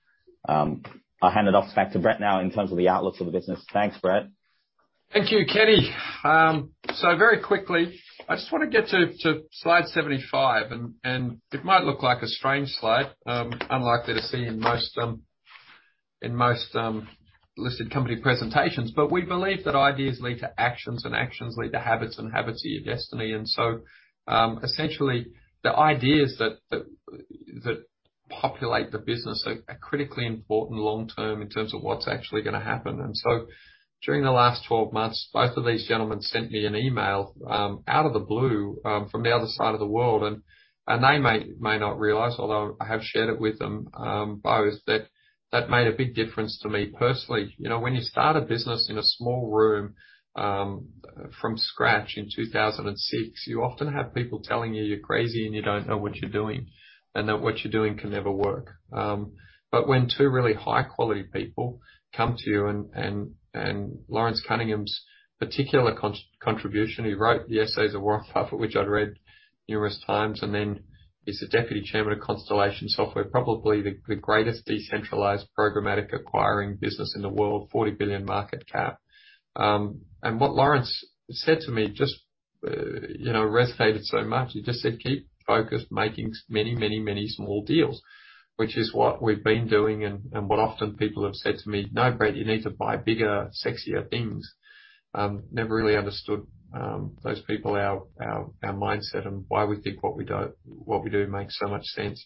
I'll hand it off back to Brett now in terms of the outlook for the business. Thanks, Brett. Thank you, Kenny. So very quickly, I just want to get to slide 75, and it might look like a strange slide unlikely to see in most listed company presentations. We believe that ideas lead to actions, and actions lead to habits, and habits are your destiny. Essentially, the ideas that populate the business are critically important long term in terms of what's actually going to happen. During the last 12 months, both of these gentlemen sent me an email out of the blue from the other side of the world. They may not realize, although I have shared it with them both, that made a big difference to me personally. You know, when you start a business in a small room from scratch in 2006, you often have people telling you you're crazy and you don't know what you're doing, and that what you're doing can never work. When two really high quality people come to you and Lawrence Cunningham's particular contribution, he wrote The Essays of Warren Buffett, which I'd read numerous times, and then he's the deputy chairman of Constellation Software, probably the greatest decentralized programmatic acquiring business in the world, 40 billion market cap. What Lawrence said to me just you know resonated so much. He just said, keep focused. Making many small deals. Which is what we've been doing and what often people have said to me, no, Brett, you need to buy bigger, sexier things. Never really understood those people, our mindset and why we think what we do, what we do makes so much sense.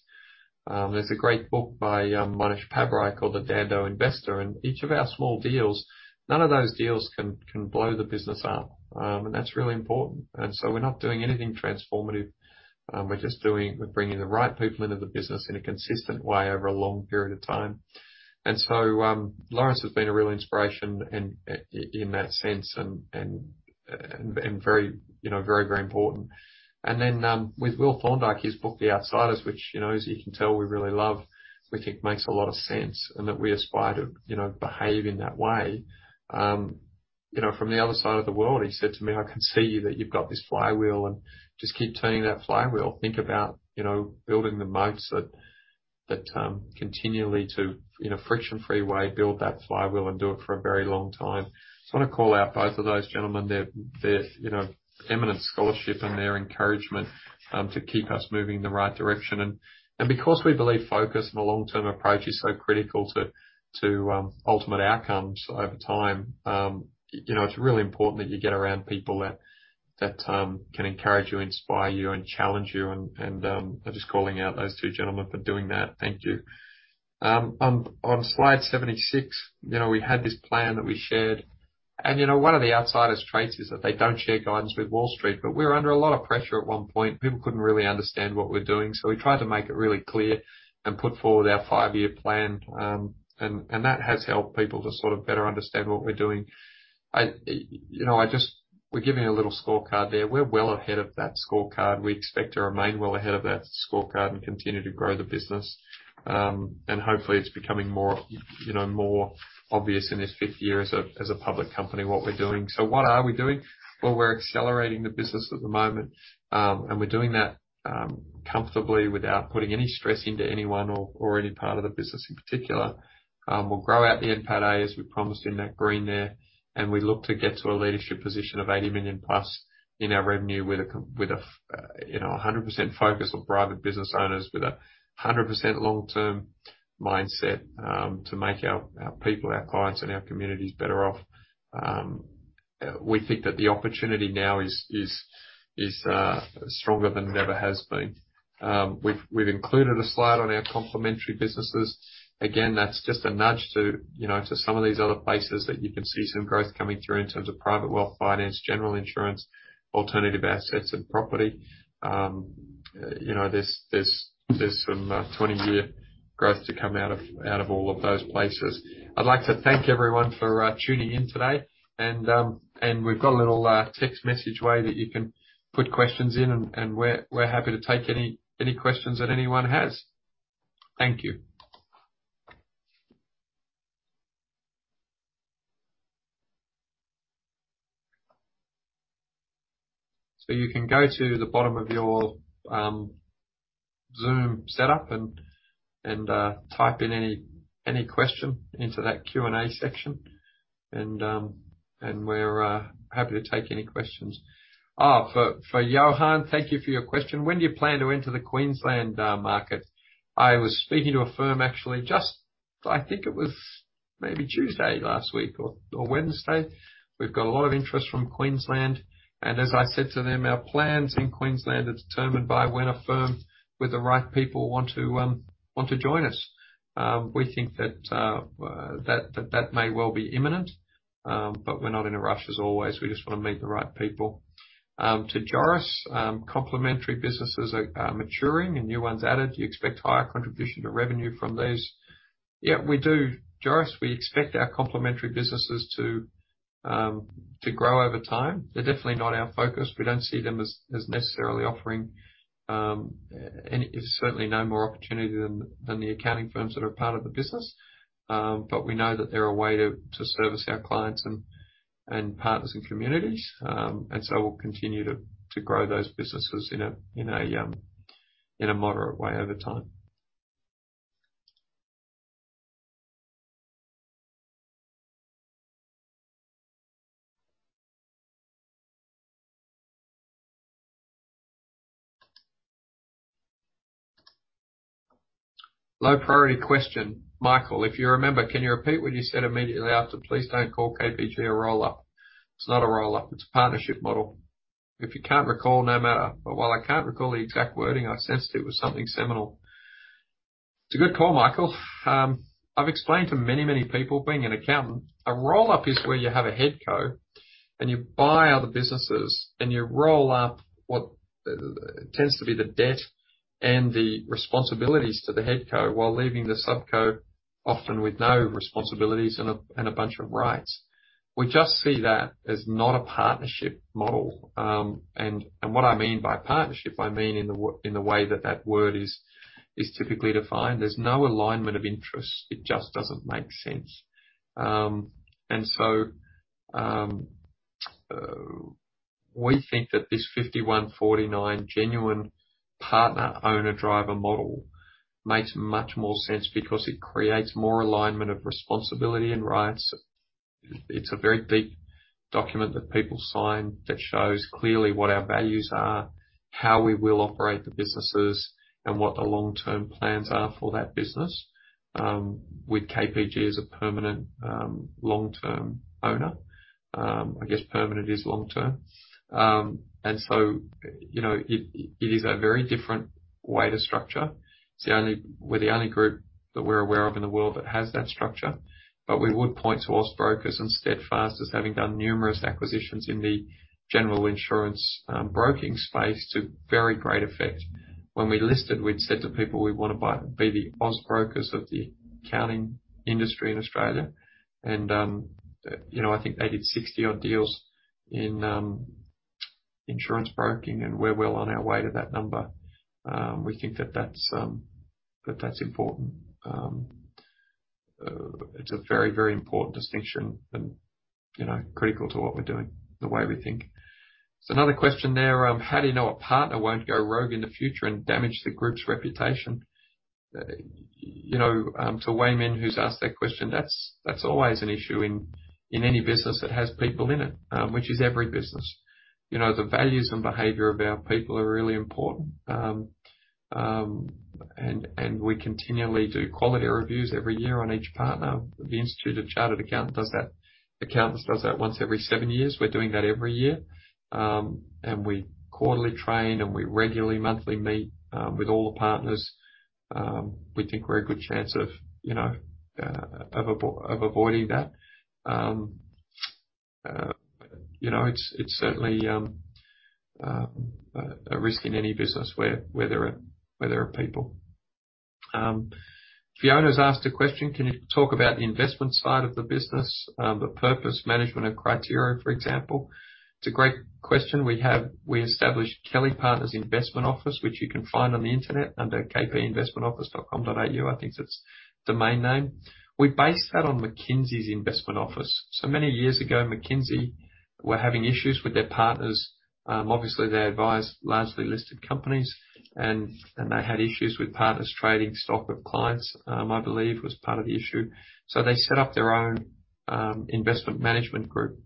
There's a great book by Mohnish Pabrai called The Dhandho Investor, and each of our small deals, none of those deals can blow the business up, and that's really important. We're not doing anything transformative, we're just doing. We're bringing the right people into the business in a consistent way over a long period of time. Lawrence has been a real inspiration in that sense, and you know, very important. With Will Thorndike, his book, The Outsiders, which, you know, as you can tell, we really love. We think makes a lot of sense and that we aspire to, you know, behave in that way. You know, from the other side of the world, he said to me, I can see that you've got this flywheel and just keep turning that flywheel. Think about, you know, building the moats that continually, in a friction-free way, build that flywheel and do it for a very long time. Just want to call out both of those gentlemen, their you know, eminent scholarship and their encouragement to keep us moving in the right direction. Because we believe focus and a long-term approach is so critical to ultimate outcomes over time, you know, it's really important that you get around people that can encourage you, inspire you, and challenge you. I'm just calling out those two gentlemen for doing that. Thank you. On slide 76, you know, we had this plan that we shared. You know, one of the Outsiders traits is that they don't share guidance with Wall Street, but we were under a lot of pressure at one point. People couldn't really understand what we're doing, so we tried to make it really clear and put forward our five-year plan. That has helped people to sort of better understand what we're doing. You know, we're giving a little scorecard there. We're well ahead of that scorecard. We expect to remain well ahead of that scorecard and continue to grow the business. Hopefully it's becoming more, you know, more obvious in this fifth year as a public company, what we're doing. What are we doing? Well, we're accelerating the business at the moment. We're doing that comfortably without putting any stress into anyone or any part of the business in particular. We'll grow out the NPATA, as we promised in that green there, and we look to get to a leadership position of 80 million plus in our revenue with a 100% focus on private business owners with a 100% long-term mindset, to make our people, our clients and our communities better off. We think that the opportunity now is stronger than it ever has been. We've included a slide on our complementary businesses. Again, that's just a nudge to, you know, to some of these other places that you can see some growth coming through in terms of private wealth finance, general insurance, alternative assets and property. You know, there's some 20-year growth to come out of all of those places. I'd like to thank everyone for tuning in today and we've got a little text message way that you can put questions in and we're happy to take any questions that anyone has. Thank you. You can go to the bottom of your Zoom setup and type in any question into that Q&A section, and we're happy to take any questions. For Johan, thank you for your question. When do you plan to enter the Queensland market? I was speaking to a firm actually just, I think it was maybe Tuesday last week or Wednesday. We've got a lot of interest from Queensland, and as I said to them, our plans in Queensland are determined by when a firm with the right people want to join us. We think that may well be imminent, but we're not in a rush as always. We just want to meet the right people. To Joris, complementary businesses are maturing and new ones added. Do you expect higher contribution to revenue from these? Yeah, we do. Joris, we expect our complementary businesses to grow over time. They're definitely not our focus. We don't see them as necessarily offering any. Certainly no more opportunity than the accounting firms that are part of the business. We know that they're a way to service our clients and partners and communities. We'll continue to grow those businesses in a moderate way over time. Low priority question. Michael, if you remember, can you repeat what you said immediately after, please don't call KPG a roll-up. It's not a roll-up, it's a partnership model. If you can't recall, no matter. While I can't recall the exact wording, I sensed it was something seminal. It's a good call, Michael. I've explained to many, many people, being an accountant, a roll-up is where you have a head co and you buy other businesses and you roll up what tends to be the debt and the responsibilities to the head co, while leaving the sub co often with no responsibilities and a bunch of rights. We just see that as not a partnership model. What I mean by partnership, I mean in the way that that word is typically defined. There's no alignment of interest. It just doesn't make sense. We think that this 51-49 genuine partner owner-driver model makes much more sense because it creates more alignment of responsibility and rights. It's a very deep document that people sign that shows clearly what our values are, how we will operate the businesses, and what the long-term plans are for that business with KPG as a permanent long-term owner. I guess permanent is long-term. And so, you know, it is a very different way to structure. It's the only. We're the only group that we're aware of in the world that has that structure. But we would point to Austbrokers and Steadfast as having done numerous acquisitions in the general insurance broking space to very great effect. When we listed, we'd said to people, we want to be the Austbrokers of the accounting industry in Australia. You know, I think they did 60-odd deals in insurance broking and we're well on our way to that number. We think that that's important. It's a very, very important distinction and, you know, critical to what we're doing, the way we think. Another question there, how do you know a partner won't go rogue in the future and damage the group's reputation? You know, to Wei Min who's asked that question, that's always an issue in any business that has people in it, which is every business. You know, the values and behavior of our people are really important. And we continually do quality reviews every year on each partner. The Institute of Chartered Accountants does that. Accountants does that once every seven years. We're doing that every year. And we quarterly train, and we regularly monthly meet with all the partners. We think we're a good chance of, you know, of avoiding that. You know, it's certainly a risk in any business where there are people. Fiona's asked a question, can you talk about the investment side of the business, the purpose management of criteria, for example? It's a great question. We established Kelly Partners Investment Office, which you can find on the Internet under kpinvestmentoffice.com.au. I think that's the domain name. We based that on McKinsey's investment office. Many years ago, McKinsey were having issues with their partners. Obviously, they advised largely listed companies and they had issues with partners trading stock with clients, I believe that was part of the issue. They set up their own investment management group.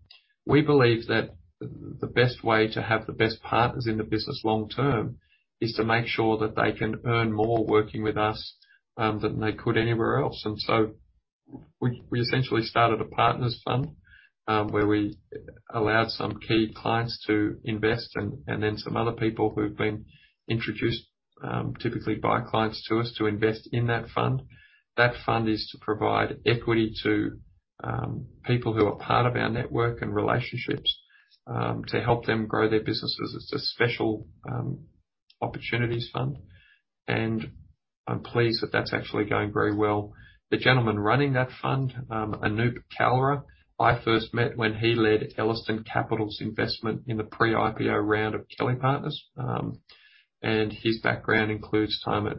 We believe that the best way to have the best partners in the business long term is to make sure that they can earn more working with us than they could anywhere else. We essentially started a partners fund where we allowed some key clients to invest and then some other people who've been introduced typically by clients to us to invest in that fund. That fund is to provide equity to people who are part of our network and relationships to help them grow their businesses. It's a special opportunities fund, and I'm pleased that that's actually going very well. The gentleman running that fund, Anoop Kalra, I first met when he led Ellerston Capital's investment in the pre-IPO round of Kelly Partners. His background includes time at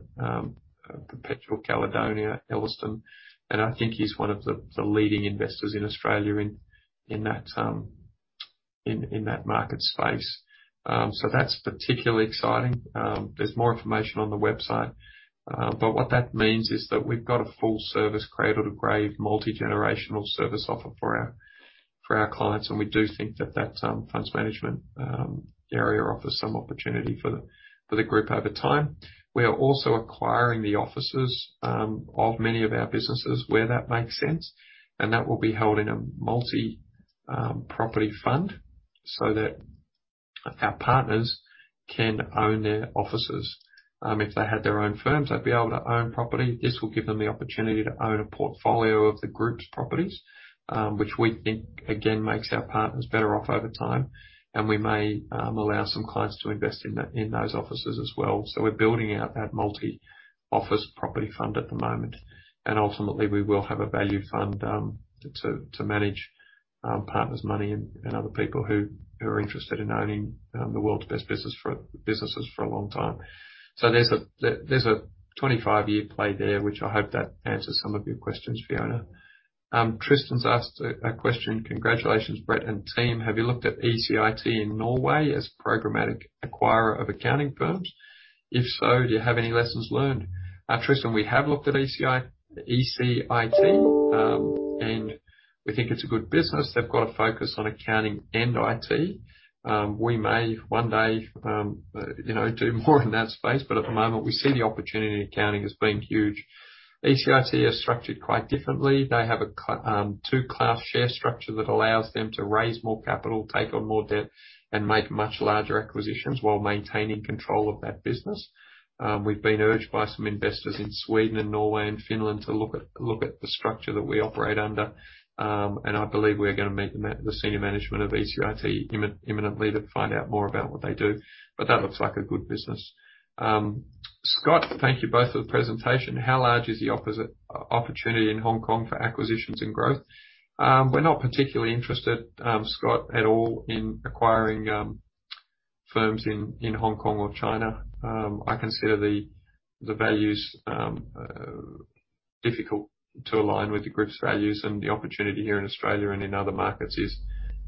Perpetual, Caledonia, Ellerston, and I think he's one of the leading investors in Australia in that market space. That's particularly exciting. There's more information on the website. What that means is that we've got a full service cradle to grave multi-generational service offer for our clients, and we do think that funds management area offers some opportunity for the group over time. We are also acquiring the offices of many of our businesses where that makes sense, and that will be held in a multi property fund so that our partners can own their offices. If they had their own firms, they'd be able to own property. This will give them the opportunity to own a portfolio of the group's properties, which we think again, makes our partners better off over time. We may allow some clients to invest in that, in those offices as well. We're building out that multi-office property fund at the moment. Ultimately, we will have a value fund to manage partners' money and other people who are interested in owning the world's best businesses for a long time. There's a 25-year play there, which I hope that answers some of your questions, Fiona. Tristan's asked a question. Congratulations, Brett and team. Have you looked at ECIT in Norway as programmatic acquirer of accounting firms? If so, do you have any lessons learned? Tristan, we have looked at ECIT, and we think it's a good business. They've got a focus on accounting and IT. We may one day, you know, do more in that space but at the moment, we see the opportunity in accounting as being huge. ECIT is structured quite differently. They have a two-class share structure that allows them to raise more capital, take on more debt, and make much larger acquisitions while maintaining control of that business. We've been urged by some investors in Sweden, and Norway, and Finland to look at the structure that we operate under. I believe we're going to meet the senior management of ECIT imminently to find out more about what they do. That looks like a good business. Scott, thank you both for the presentation. How large is the overall opportunity in Hong Kong for acquisitions and growth? We're not particularly interested, Scott, at all in acquiring firms in Hong Kong or China. I consider the values difficult to align with the group's values and the opportunity here in Australia and in other markets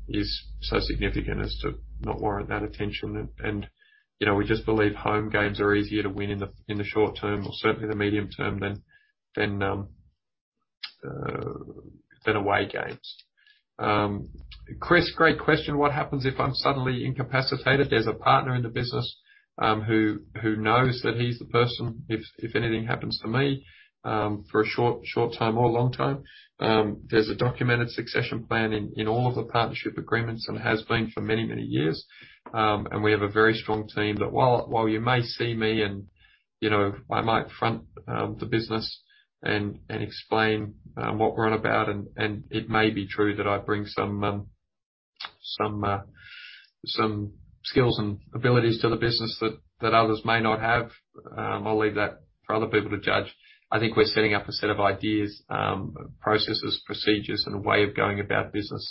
is so significant as to not warrant that attention. You know, we just believe home games are easier to win in the short term or certainly the medium term than away games. Chris, great question, what happens if I'm suddenly incapacitated? There's a partner in the business who knows that he's the person if anything happens to me for a short time or long time. There's a documented succession plan in all of the partnership agreements and has been for many years. We have a very strong team that while you may see me and, you know, I might front the business and explain what we're on about, and it may be true that I bring some skills and abilities to the business that others may not have. I'll leave that for other people to judge. I think we're setting up a set of ideas, processes, procedures, and a way of going about business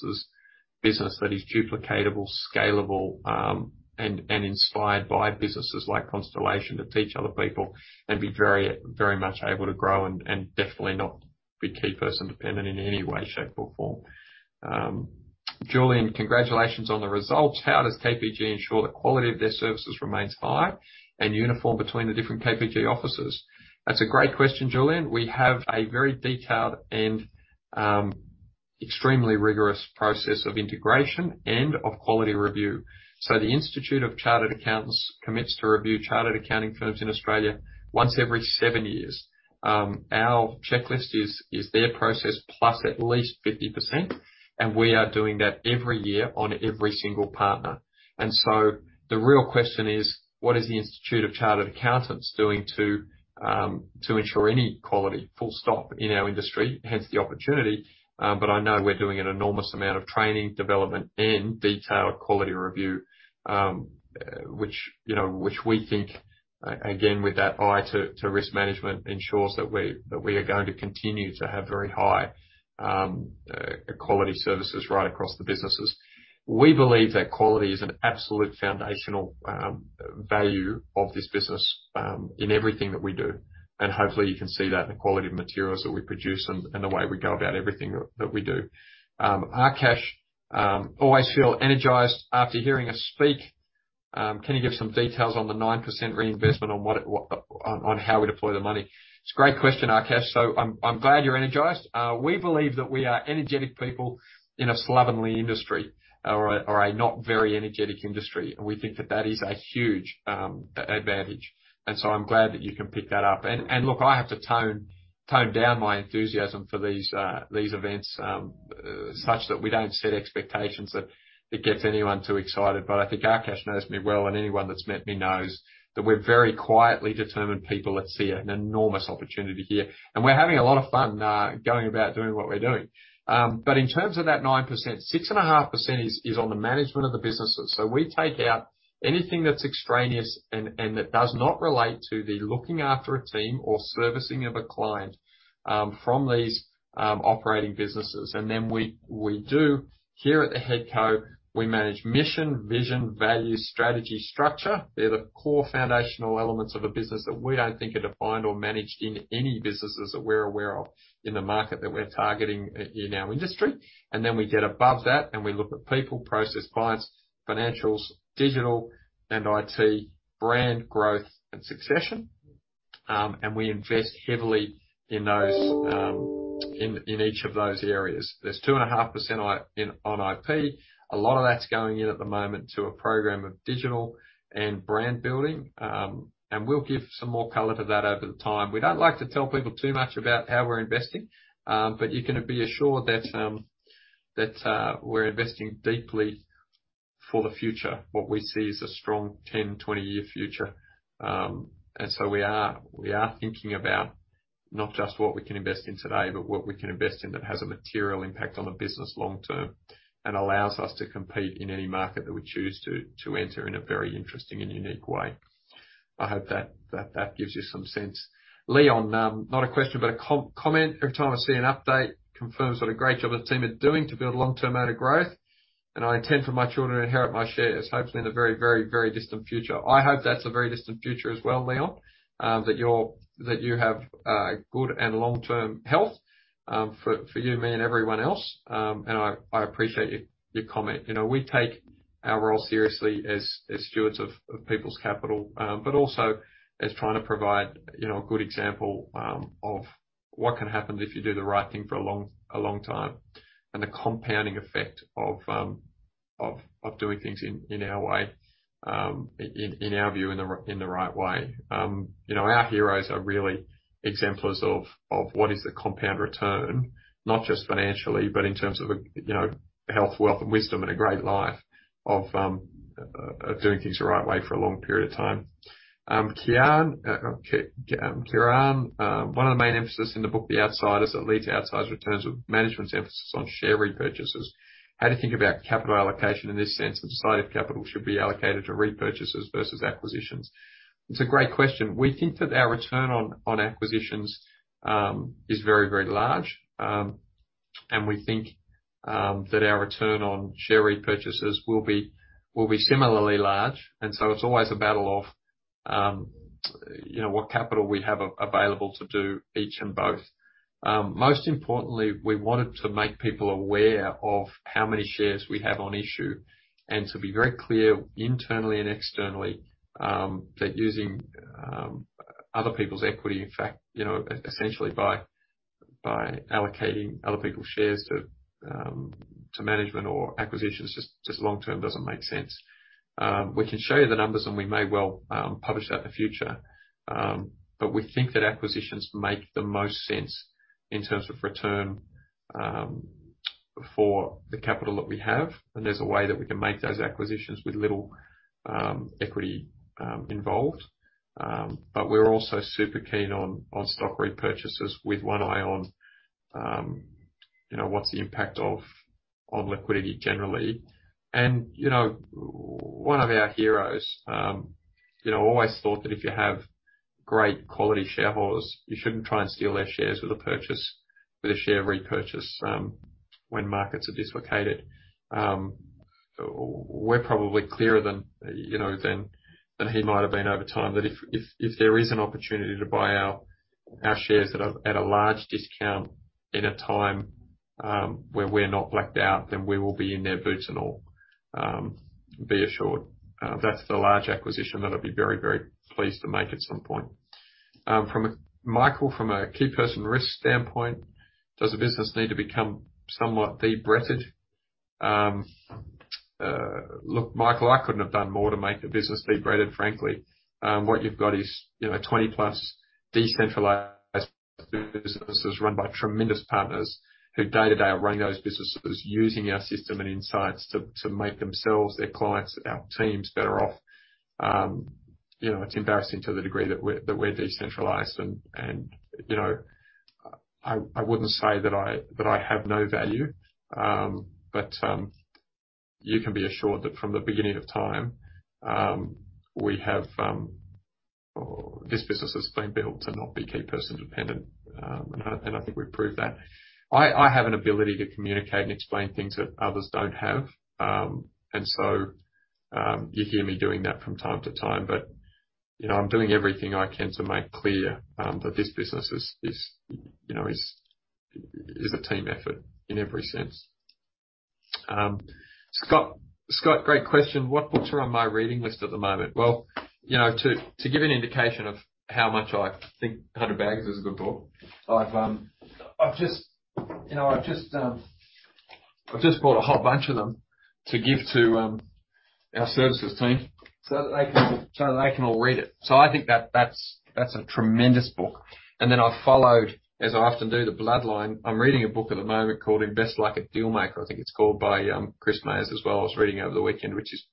that is duplicatable, scalable, and inspired by businesses like Constellation to teach other people and be very much able to grow and definitely not be key person dependent in any way, shape, or form. Julian, congratulations on the results. How does KPG ensure the quality of their services remains high and uniform between the different KPG offices? That's a great question, Julian. We have a very detailed and extremely rigorous process of integration and of quality review. The Chartered Accountants Australia and New Zealand commits to review chartered accounting firms in Australia once every seven years. Our checklist is their process plus at least 50%, and we are doing that every year on every single partner. The real question is, what is the Chartered Accountants Australia and New Zealand doing to ensure any quality full stop in our industry, hence the opportunity. I know we're doing an enormous amount of training, development and detailed quality review, which, you know, we think again, with that eye to risk management, ensures that we are going to continue to have very high quality services right across the businesses. We believe that quality is an absolute foundational value of this business in everything that we do. Hopefully you can see that in the quality of materials that we produce and the way we go about everything that we do. Akash, you always feel energized after hearing us speak. Can you give some details on the 9% reinvestment on how we deploy the money? It's a great question, Akash, so I'm glad you're energized. We believe that we are energetic people in a slovenly industry or a not very energetic industry. We think that that is a huge advantage. I'm glad that you can pick that up. Look, I have to tone down my enthusiasm for these events such that we don't set expectations that it gets anyone too excited. I think Akash knows me well, and anyone that's met me knows that we're very quietly determined people that see an enormous opportunity here. We're having a lot of fun going about doing what we're doing. In terms of that 9%, 6.5% is on the management of the businesses. We take out anything that's extraneous and that does not relate to the looking after a team or servicing of a client from these operating businesses. We do here at the head co we manage mission, vision, values, strategy, structure. They're the core foundational elements of a business that we don't think are defined or managed in any businesses that we're aware of in the market that we're targeting in our industry. We get above that, and we look at people, process, clients, financials, digital and IT, brand, growth and succession. We invest heavily in those in each of those areas. There's 2.5% in on IP. A lot of that's going in at the moment to a program of digital and brand building. We'll give some more color to that over the time. We don't like to tell people too much about how we're investing, but you can be assured that we're investing deeply for the future. What we see is a strong 10-20 year future. We are thinking about not just what we can invest in today, but what we can invest in that has a material impact on the business long term and allows us to compete in any market that we choose to enter in a very interesting and unique way. I hope that gives you some sense. Leon, not a question, but a comment. Every time I see an update confirms what a great job the team are doing to build long-term amount of growth, and I intend for my children to inherit my shares, hopefully in the very distant future. I hope that's a very distant future as well, Leon, that you have good and long-term health for you, me and everyone else. I appreciate your comment. You know, we take our role seriously as stewards of people's capital, but also as trying to provide, you know, a good example of what can happen if you do the right thing for a long time, and the compounding effect of doing things in our way, in our view, in the right way. You know, our heroes are really exemplars of what is the compound return, not just financially, but in terms of, you know, health, wealth, and wisdom and a great life of doing things the right way for a long period of time. Kieran, one of the main emphasis in the book, The Outsiders, that lead to Outsized Returns was management's emphasis on share repurchases. How do you think about capital allocation in this sense, and decide if capital should be allocated to repurchases versus acquisitions? It's a great question. We think that our return on acquisitions is very, very large. And we think that our return on share repurchases will be similarly large. It's always a battle of, you know, what capital we have available to do each and both. Most importantly, we wanted to make people aware of how many shares we have on issue and to be very clear internally and externally that using other people's equity, in fact, you know, essentially by allocating other people's shares to management or acquisitions just long term doesn't make sense. We can show you the numbers, and we may well publish that in the future. We think that acquisitions make the most sense in terms of return for the capital that we have. There's a way that we can make those acquisitions with little equity involved. We're also super keen on stock repurchases with one eye on you know what's the impact on liquidity generally. You know, one of our heroes, you know, always thought that if you have great quality shareholders, you shouldn't try and steal their shares with a purchase, with a share repurchase when markets are dislocated. We're probably clearer than you know, than he might have been over time, that if there is an opportunity to buy our shares at a large discount in a time where we're not blacked out, then we will be in their boots, and all. Be assured, that's the large acquisition that I'd be very pleased to make at some point. Michael, from a key person risk standpoint, does the business need to become somewhat de-Bretted? Look, Michael, I couldn't have done more to make the business de-Bretted, frankly. What you've got is, you know, 20-plus decentralized businesses run by tremendous partners who day-to-day are running those businesses using our system and insights to make themselves, their clients, our teams better off. You know, it's embarrassing to the degree that we're decentralized. I wouldn't say that I have no value. But you can be assured that from the beginning of time, this business has been built to not be key person dependent, and I think we've proved that. I have an ability to communicate and explain things that others don't have. You hear me doing that from time to time, but you know, I'm doing everything I can to make clear that this business is a team effort in every sense. Scott, great question. What books are on my reading list at the moment? Well, you know, to give an indication of how much I think 100 Baggers is a good book. I've just bought a whole bunch of them to give to our services team so that they can all read it. I think that's a tremendous book. I followed, as I often do, The Bloodline. I'm reading a book at the moment called Invest Like a Dealmaker, I think it's called, by Chris Mayer as well. I was reading over the weekend, which is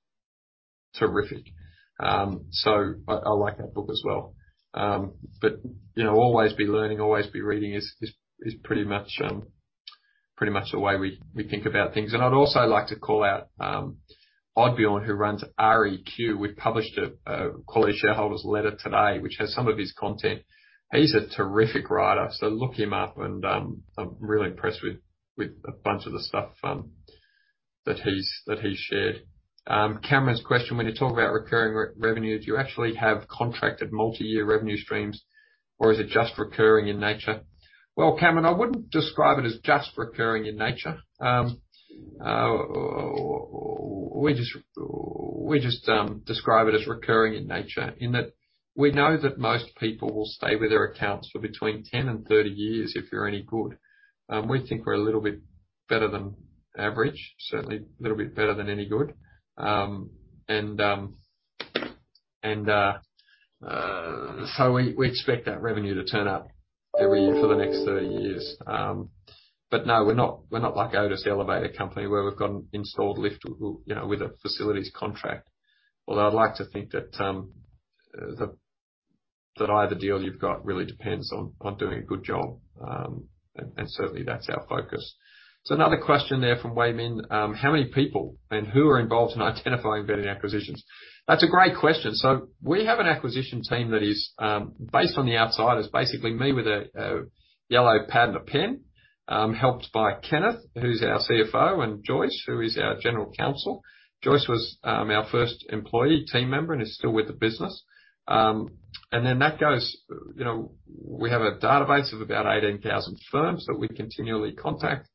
terrific. I like that book as well. You know, always be learning, always be reading is pretty much the way we think about things. I'd also like to call out Oddbjørn who runs REQ. We published a quarterly shareholders letter today, which has some of his content. He's a terrific writer, so look him up and I'm really impressed with a bunch of the stuff that he shared. Cameron's question, when you talk about recurring revenue, do you actually have contracted multi-year revenue streams, or is it just recurring in nature? Well, Cameron, I wouldn't describe it as just recurring in nature. We describe it as recurring in nature in that we know that most people will stay with their accounts for between 10 and 30 years if you're any good. We think we're a little bit better than average, certainly a little bit better than any good. So we expect that revenue to turn up every year for the next 30 years. But no, we're not like Otis Elevator Company where we've got an installed lift, you know, with a facilities contract. Although I'd like to think that that either deal you've got really depends on doing a good job, and certainly that's our focus. Another question there from Wei Min, how many people and who are involved in identifying vetting acquisitions? That's a great question. We have an acquisition team that is based on the outside is basically me with a yellow pad and a pen, helped by Kenneth, who's our CFO, and Joyce, who is our General Counsel. Joyce was our first employee team member and is still with the business. That goes, you know, we have a database of about 18,000 firms that we continually contact,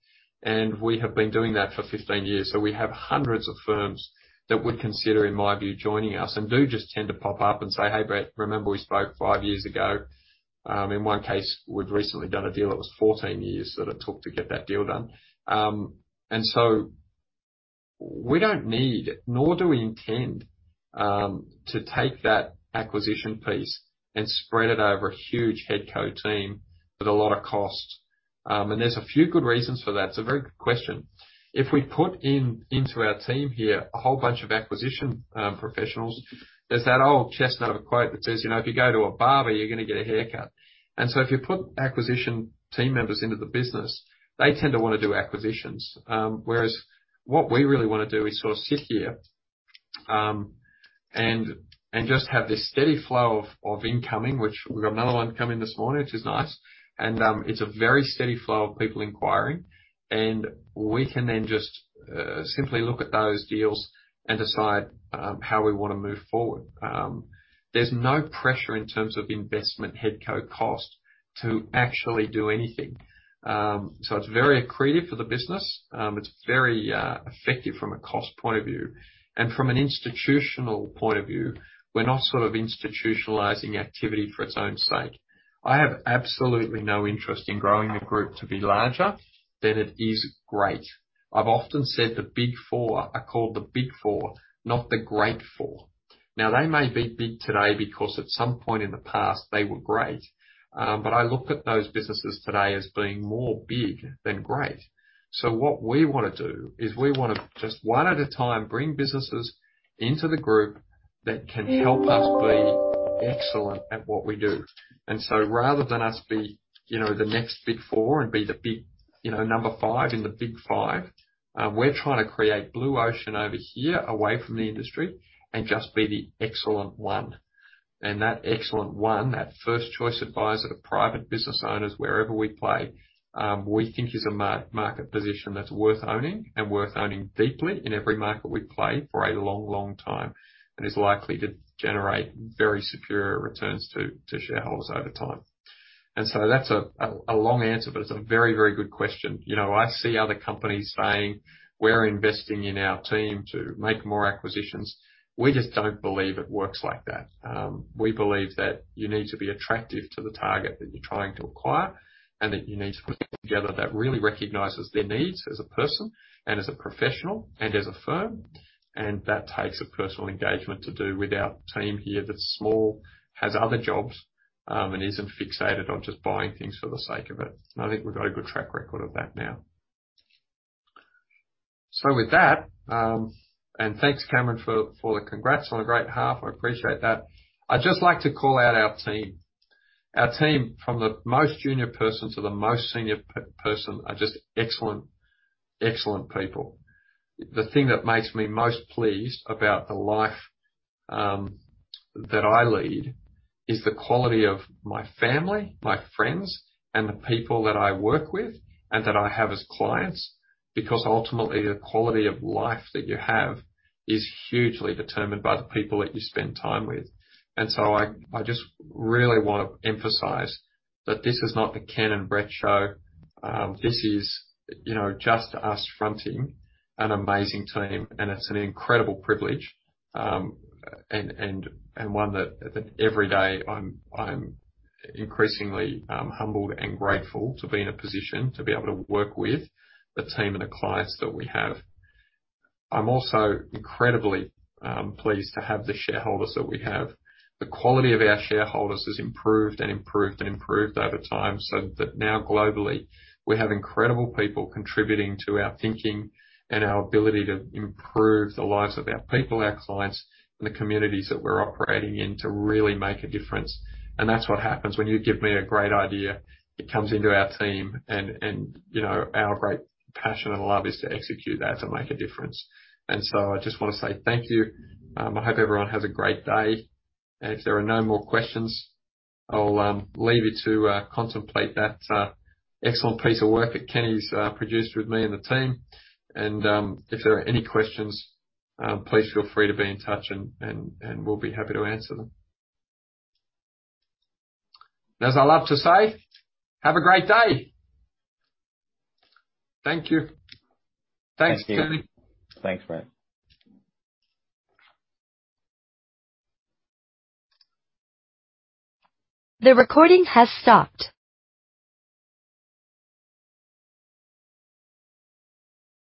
and we have been doing that for 15 years. We have hundreds of firms that would consider, in my view, joining us and do just tend to pop up and say, hey, Brett, remember we spoke five years ago? In one case, we've recently done a deal that was 14 years that it took to get that deal done. We don't need, nor do we intend, to take that acquisition piece and spread it over a huge headcount team with a lot of cost. There's a few good reasons for that. It's a very good question. If we put into our team here a whole bunch of acquisition professionals, there's that old chestnut quote that says, you know, If you go to a barber, you're going to get a haircut. If you put acquisition team members into the business, they tend to want to do acquisitions. Whereas what we really want to do is sort of sit here, and just have this steady flow of incoming, which we've got another one coming this morning, which is nice. It's a very steady flow of people inquiring, and we can then just simply look at those deals and decide how we want to move forward. There's no pressure in terms of investment head count cost to actually do anything. It's very accretive for the business. It's very effective from a cost point of view. From an institutional point of view, we're not sort of institutionalizing activity for its own sake. I have absolutely no interest in growing the group to be larger than it is great. I've often said the Big Four are called the Big Four, not the Great Four. Now, they may be big today because at some point in the past they were great, but I look at those businesses today as being more big than great. What we want to do is we want to just one at a time bring businesses into the group that can help us be excellent at what we do. Rather than us be, you know, the next Big Four and be the Big, you know, number five in the big five. We're trying to create blue ocean over here away from the industry and just be the excellent one. That excellent one, that first choice advisor to private business owners wherever we play, we think is a market position that's worth owning and worth owning deeply in every market we play for a long, long time, and is likely to generate very superior returns to shareholders over time. That's a long answer, but it's a very, very good question. You know, I see other companies saying, we're investing in our team to make more acquisitions. We just don't believe it works like that. We believe that you need to be attractive to the target that you're trying to acquire, and that you need to put together that really recognizes their needs as a person and as a professional and as a firm. That takes a personal engagement to do with our team here that's small, has other jobs, and isn't fixated on just buying things for the sake of it. I think we've got a good track record of that now. With that, thanks, Cameron, for the congrats on a great half. I appreciate that. I'd just like to call out our team. Our team, from the most junior person to the most senior person, are just excellent people. The thing that makes me most pleased about the life that I lead is the quality of my family, my friends, and the people that I work with and that I have as clients, because ultimately the quality of life that you have is hugely determined by the people that you spend time with. I just really want to emphasize that this is not the Ken and Brett show. This is, you know, just us fronting an amazing team, and it's an incredible privilege. One that every day I'm increasingly humbled and grateful to be in a position to be able to work with the team and the clients that we have. I'm also incredibly pleased to have the shareholders that we have. The quality of our shareholders has improved over time, so that now globally, we have incredible people contributing to our thinking and our ability to improve the lives of our people, our clients, and the communities that we're operating in to really make a difference. That's what happens when you give me a great idea. It comes into our team and, you know, our great passion and love is to execute that to make a difference. I just want to say thank you. I hope everyone has a great day. If there are no more questions, I'll leave you to contemplate that excellent piece of work that Kenny's produced with me and the team. If there are any questions, please feel free to be in touch and we'll be happy to answer them. As I love to say, have a great day. Thank you. Thank you. Thanks, Kenny. Thanks, Brett. The recording has stopped.